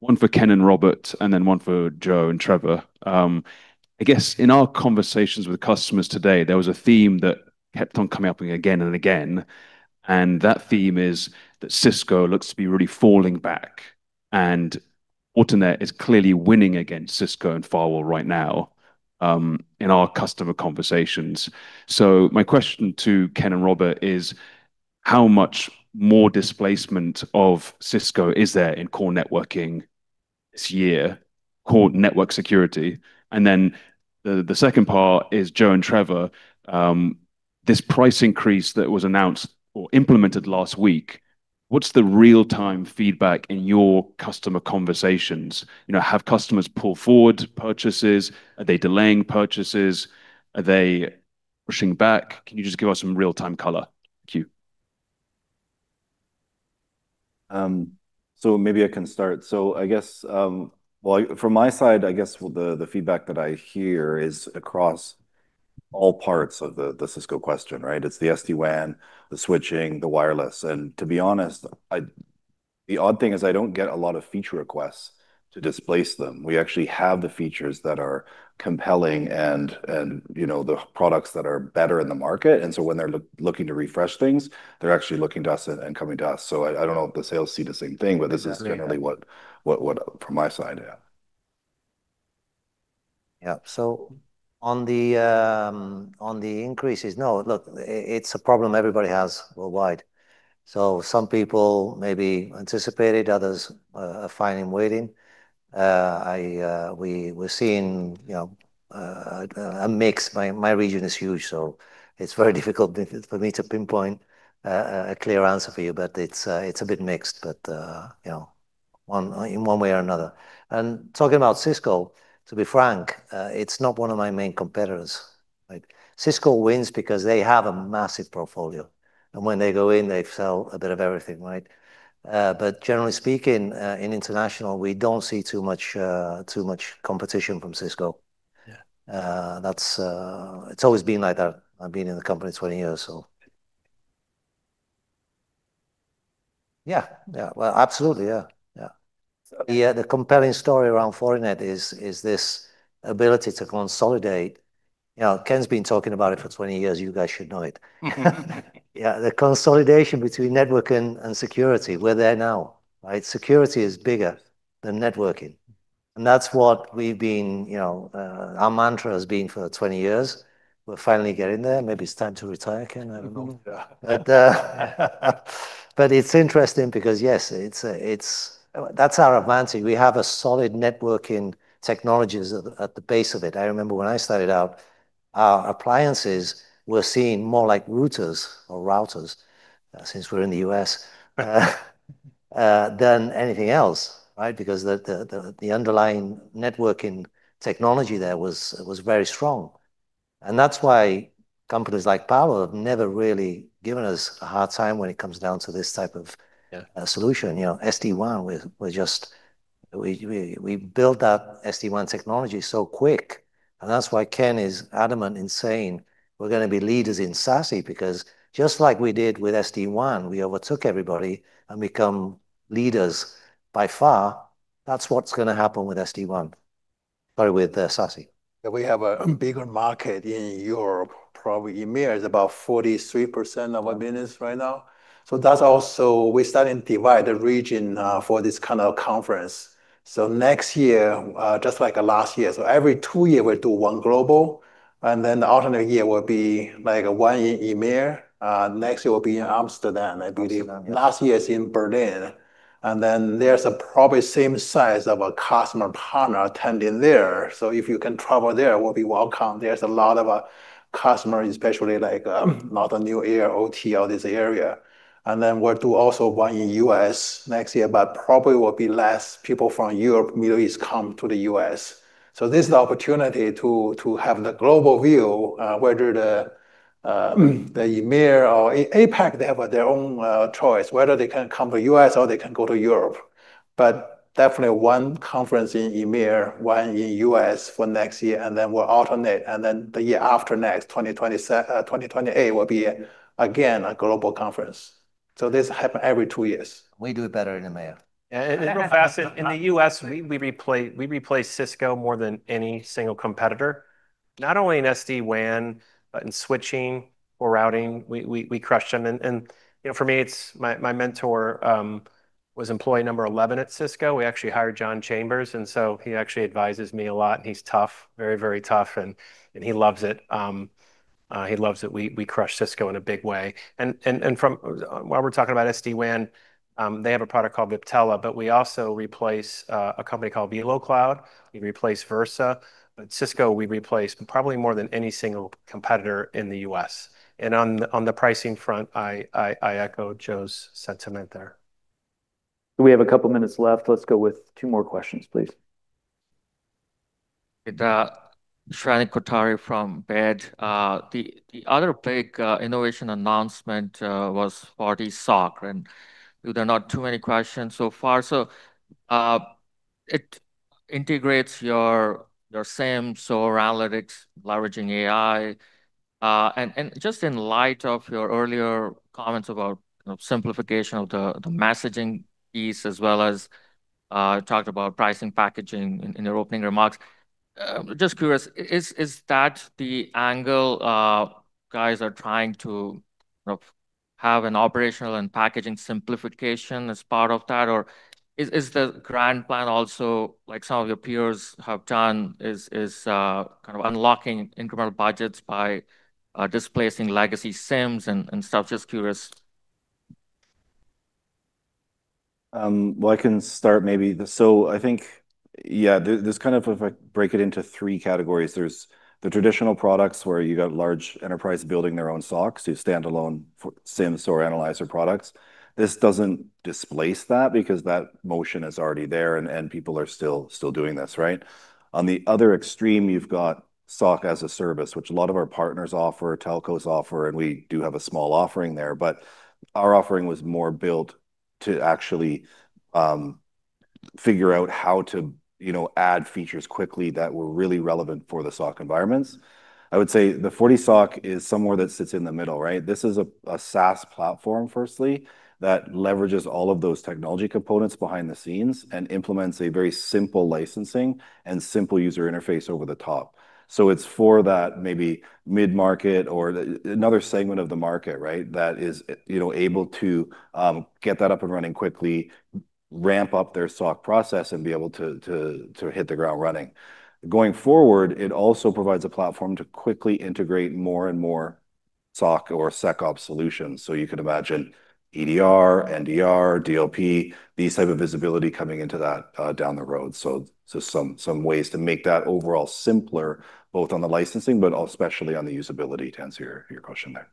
one for Ken and Robert, and then one for Joe and Trevor. I guess in our conversations with customers today, there was a theme that kept on coming up again and again, and that theme is that Cisco looks to be really falling back, and Fortinet is clearly winning against Cisco in firewall right now, in our customer conversations. My question to Ken and Robert is, how much more displacement of Cisco is there in core networking this year, core network security? The second part is Joe and Trevor, this price increase that was announced or implemented last week, what's the real-time feedback in your customer conversations? You know, have customers pulled forward purchases? Are they delaying purchases? Are they pushing back? Can you just give us some real-time color? Thank you. Maybe I can start. I guess from my side, I guess the feedback that I hear is across all parts of the Cisco question, right? It's the SD-WAN, the switching, the wireless. To be honest, the odd thing is I don't get a lot of feature requests to displace them. We actually have the features that are compelling and, you know, the products that are better in the market. When they're looking to refresh things, they're actually looking to us and coming to us. I don't know if the sales see the same thing. Exactly, yeah. This is generally what from my side, yeah. Yeah. On the increases, no. Look, it's a problem everybody has worldwide. Some people maybe anticipated, others are fine with waiting. We're seeing, you know, a mix. My region is huge, so it's very difficult for me to pinpoint a clear answer for you. It's a bit mixed. You know, one way or another. Talking about Cisco, to be frank, it's not one of my main competitors. Like, Cisco wins because they have a massive portfolio. When they go in, they sell a bit of everything, right? Generally speaking, in international, we don't see too much competition from Cisco. That's it. It's always been like that. I've been in the company 20 years, so. Yeah. Yeah. Well, absolutely. Yeah, yeah. Yeah, the compelling story around Fortinet is this ability to consolidate. You know, Ken's been talking about it for 20 years, you guys should know it. Yeah, the consolidation between network and security, we're there now, right? Security is bigger than networking, and that's what we've been, you know. Our mantra has been for 20 years. We're finally getting there. Maybe it's time to retire, Ken. I don't know. It's interesting because, yes, it's. That's our advantage. We have a solid networking technologies at the base of it. I remember when I started out, our appliances were seen more like routers since we're in the U.S. than anything else, right? Because the underlying networking technology there was very strong. That's why companies like Palo Alto have never really given us a hard time when it comes down to this type of solution. You know, SD-WAN, we're just. We built that SD-WAN technology so quick. That's why Ken is adamant in saying we're gonna be Leaders in SASE, because just like we did with SD-WAN, we overtook everybody and become Leaders by far. That's what's gonna happen with SD-WAN or with SASE. Yeah, we have a bigger market in Europe, probably EMEA is about 43% of our business right now. That's also. We're starting to divide the region for this kind of conference. Next year, just like last year, every two year we do one global, and then the alternate year will be, like, one in EMEA. Next year will be in Amsterdam, I believe. Amsterdam. Last year it's in Berlin. Then there's probably same size of a customer partner attending there. If you can travel there, will be welcome. There's a lot of customer, especially like lot of new AI, OT in this area. Then we'll do also one in U.S. next year, but probably will be less people from Europe, Middle East come to the U.S. This is the opportunity to have the global view, whether the EMEA or APAC, they have their own choice, whether they can come to U.S. or they can go to Europe. Definitely one conference in EMEA, one in U.S. for next year, and then we'll alternate. Then the year after next, 2028, will be again a global conference. This happens every two years. We do it better in EMEA. Yeah, real fast, in the U.S. we replace Cisco more than any single competitor. Not only in SD-WAN, but in switching or routing, we crush them. You know, for me, it's my mentor was employee number 11 at Cisco. We actually hired John Chambers, so he actually advises me a lot, and he's tough, very tough, and he loves it. He loves that we crush Cisco in a big way. While we're talking about SD-WAN, they have a product called Viptela, but we also replace a company called VeloCloud. We replace Versa. Cisco, we replace probably more than any single competitor in the U.S. On the pricing front, I echo Joe's sentiment there. We have a couple minutes left. Let's go with two more questions, please. The... Shrenik Kothari from Baird. The other big innovation announcement was FortiSOC, and there are not too many questions so far. It integrates your SIEM, SOAR analytics leveraging AI. And just in light of your earlier comments about, you know, simplification of the messaging piece as well as talked about pricing packaging in your opening remarks. Just curious, is that the angle guys are trying to, you know, have an operational and packaging simplification as part of that? Or is the grand plan also, like some of your peers have done, kind of unlocking incremental budgets by displacing legacy SIEMs and stuff? Just curious. Well, I can start maybe. I think, yeah, there's kind of if I break it into three categories. There's the traditional products where you got large enterprise building their own SOCs, so standalone for SIEM, SOAR analyzer products. This doesn't displace that because that motion is already there, and people are still doing this, right? On the other extreme, you've got SOC-as-a-Service, which a lot of our partners offer, telcos offer, and we do have a small offering there. Our offering was more built to actually figure out how to, you know, add features quickly that were really relevant for the SOC environments. I would say the FortiSOC is somewhere that sits in the middle, right? This is a SaaS platform, firstly, that leverages all of those technology components behind the scenes and implements a very simple licensing and simple user interface over the top. It's for that maybe mid-market or another segment of the market, right? That is, you know, able to get that up and running quickly, ramp up their SOC process, and be able to to hit the ground running. Going forward, it also provides a platform to quickly integrate more and more SOC or SecOps solutions. You could imagine EDR, NDR, DLP, these type of visibility coming into that down the road. Some ways to make that overall simpler, both on the licensing, but especially on the usability to answer your question there.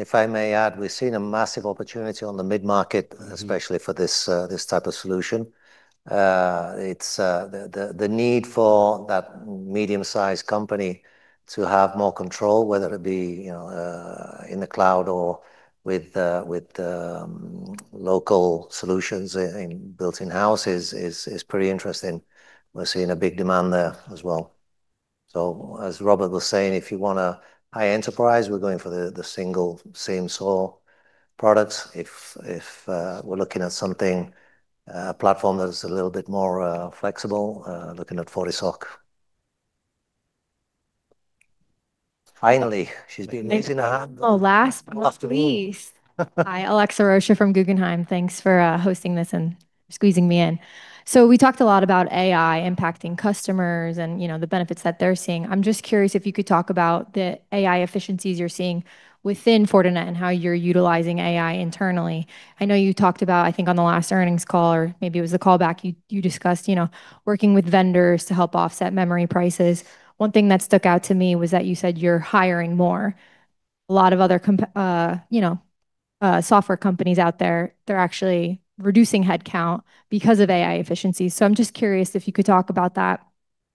If I may add, we're seeing a massive opportunity on the mid-market. Especially for this type of solution. It's the need for that medium-sized company to have more control, whether it be, you know, in the cloud or with local solutions built in-house is pretty interesting. We're seeing a big demand there as well. As Robert was saying, if you want a high-end enterprise, we're going for the single same SOAR products. If we're looking at something platform that is a little bit more flexible, looking at FortiSOC. Finally, she's been waiting an hour. Oh, last but not least. Hi, Alexa Rocha from Guggenheim. Thanks for hosting this and squeezing me in. We talked a lot about AI impacting customers and, you know, the benefits that they're seeing. I'm just curious if you could talk about the AI efficiencies you're seeing within Fortinet and how you're utilizing AI internally. I know you talked about, I think on the last earnings call, or maybe it was the call back, you discussed, you know, working with vendors to help offset memory prices. One thing that stuck out to me was that you said you're hiring more. A lot of other software companies out there, they're actually reducing headcount because of AI efficiency. I'm just curious if you could talk about that,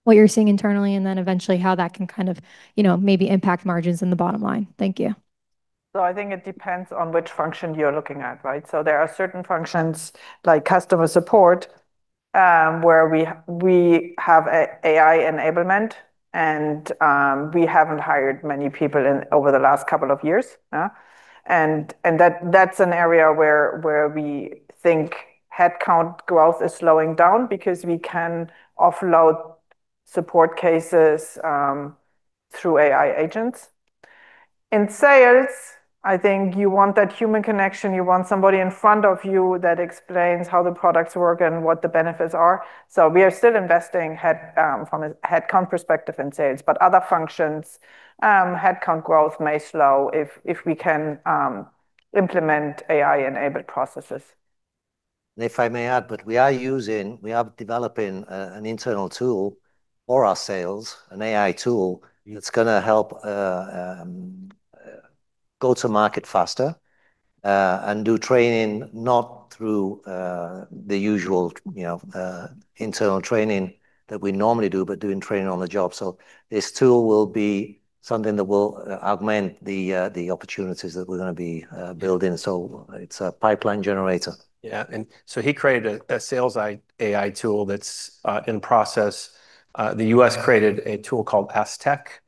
what you're seeing internally, and then eventually how that can kind of, you know, maybe impact margins in the bottom line? Thank you. I think it depends on which function you're looking at, right? There are certain functions like customer support, where we have AI enablement and we haven't hired many people over the last couple of years. That's an area where we think headcount growth is slowing down because we can offload support cases through AI agents. In sales, I think you want that human connection. You want somebody in front of you that explains how the products work and what the benefits are. We are still investing from a headcount perspective in sales. Other functions, headcount growth may slow if we can implement AI-enabled processes. If I may add, we are developing an internal tool for our sales, an AI tool that's gonna help go to market faster and do training not through the usual, you know, internal training that we normally do, but doing training on the job. This tool will be something that will augment the opportunities that we're gonna be building. It's a pipeline generator. Yeah. He created a sales AI tool that's in process. The U.S. created a tool called ASK Tech.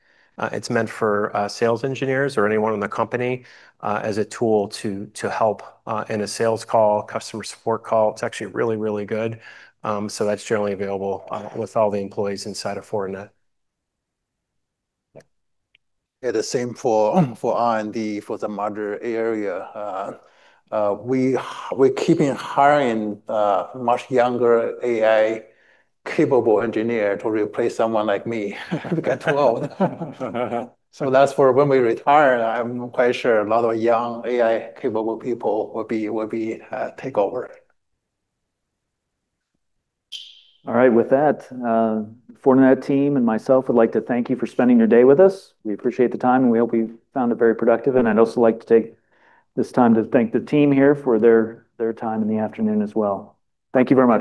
It's meant for sales engineers or anyone in the company as a tool to help in a sales call, customer support call. It's actually really, really good. That's generally available with all the employees inside of Fortinet. Yeah, the same for R&D for the modern era. We're keeping hiring much younger AI-capable engineer to replace someone like me who get too old. That's for when we retire. I'm quite sure a lot of young AI-capable people will take over. All right, with that, Fortinet team and myself would like to thank you for spending your day with us. We appreciate the time, and we hope you found it very productive. I'd also like to take this time to thank the team here for their time in the afternoon as well. Thank you very much.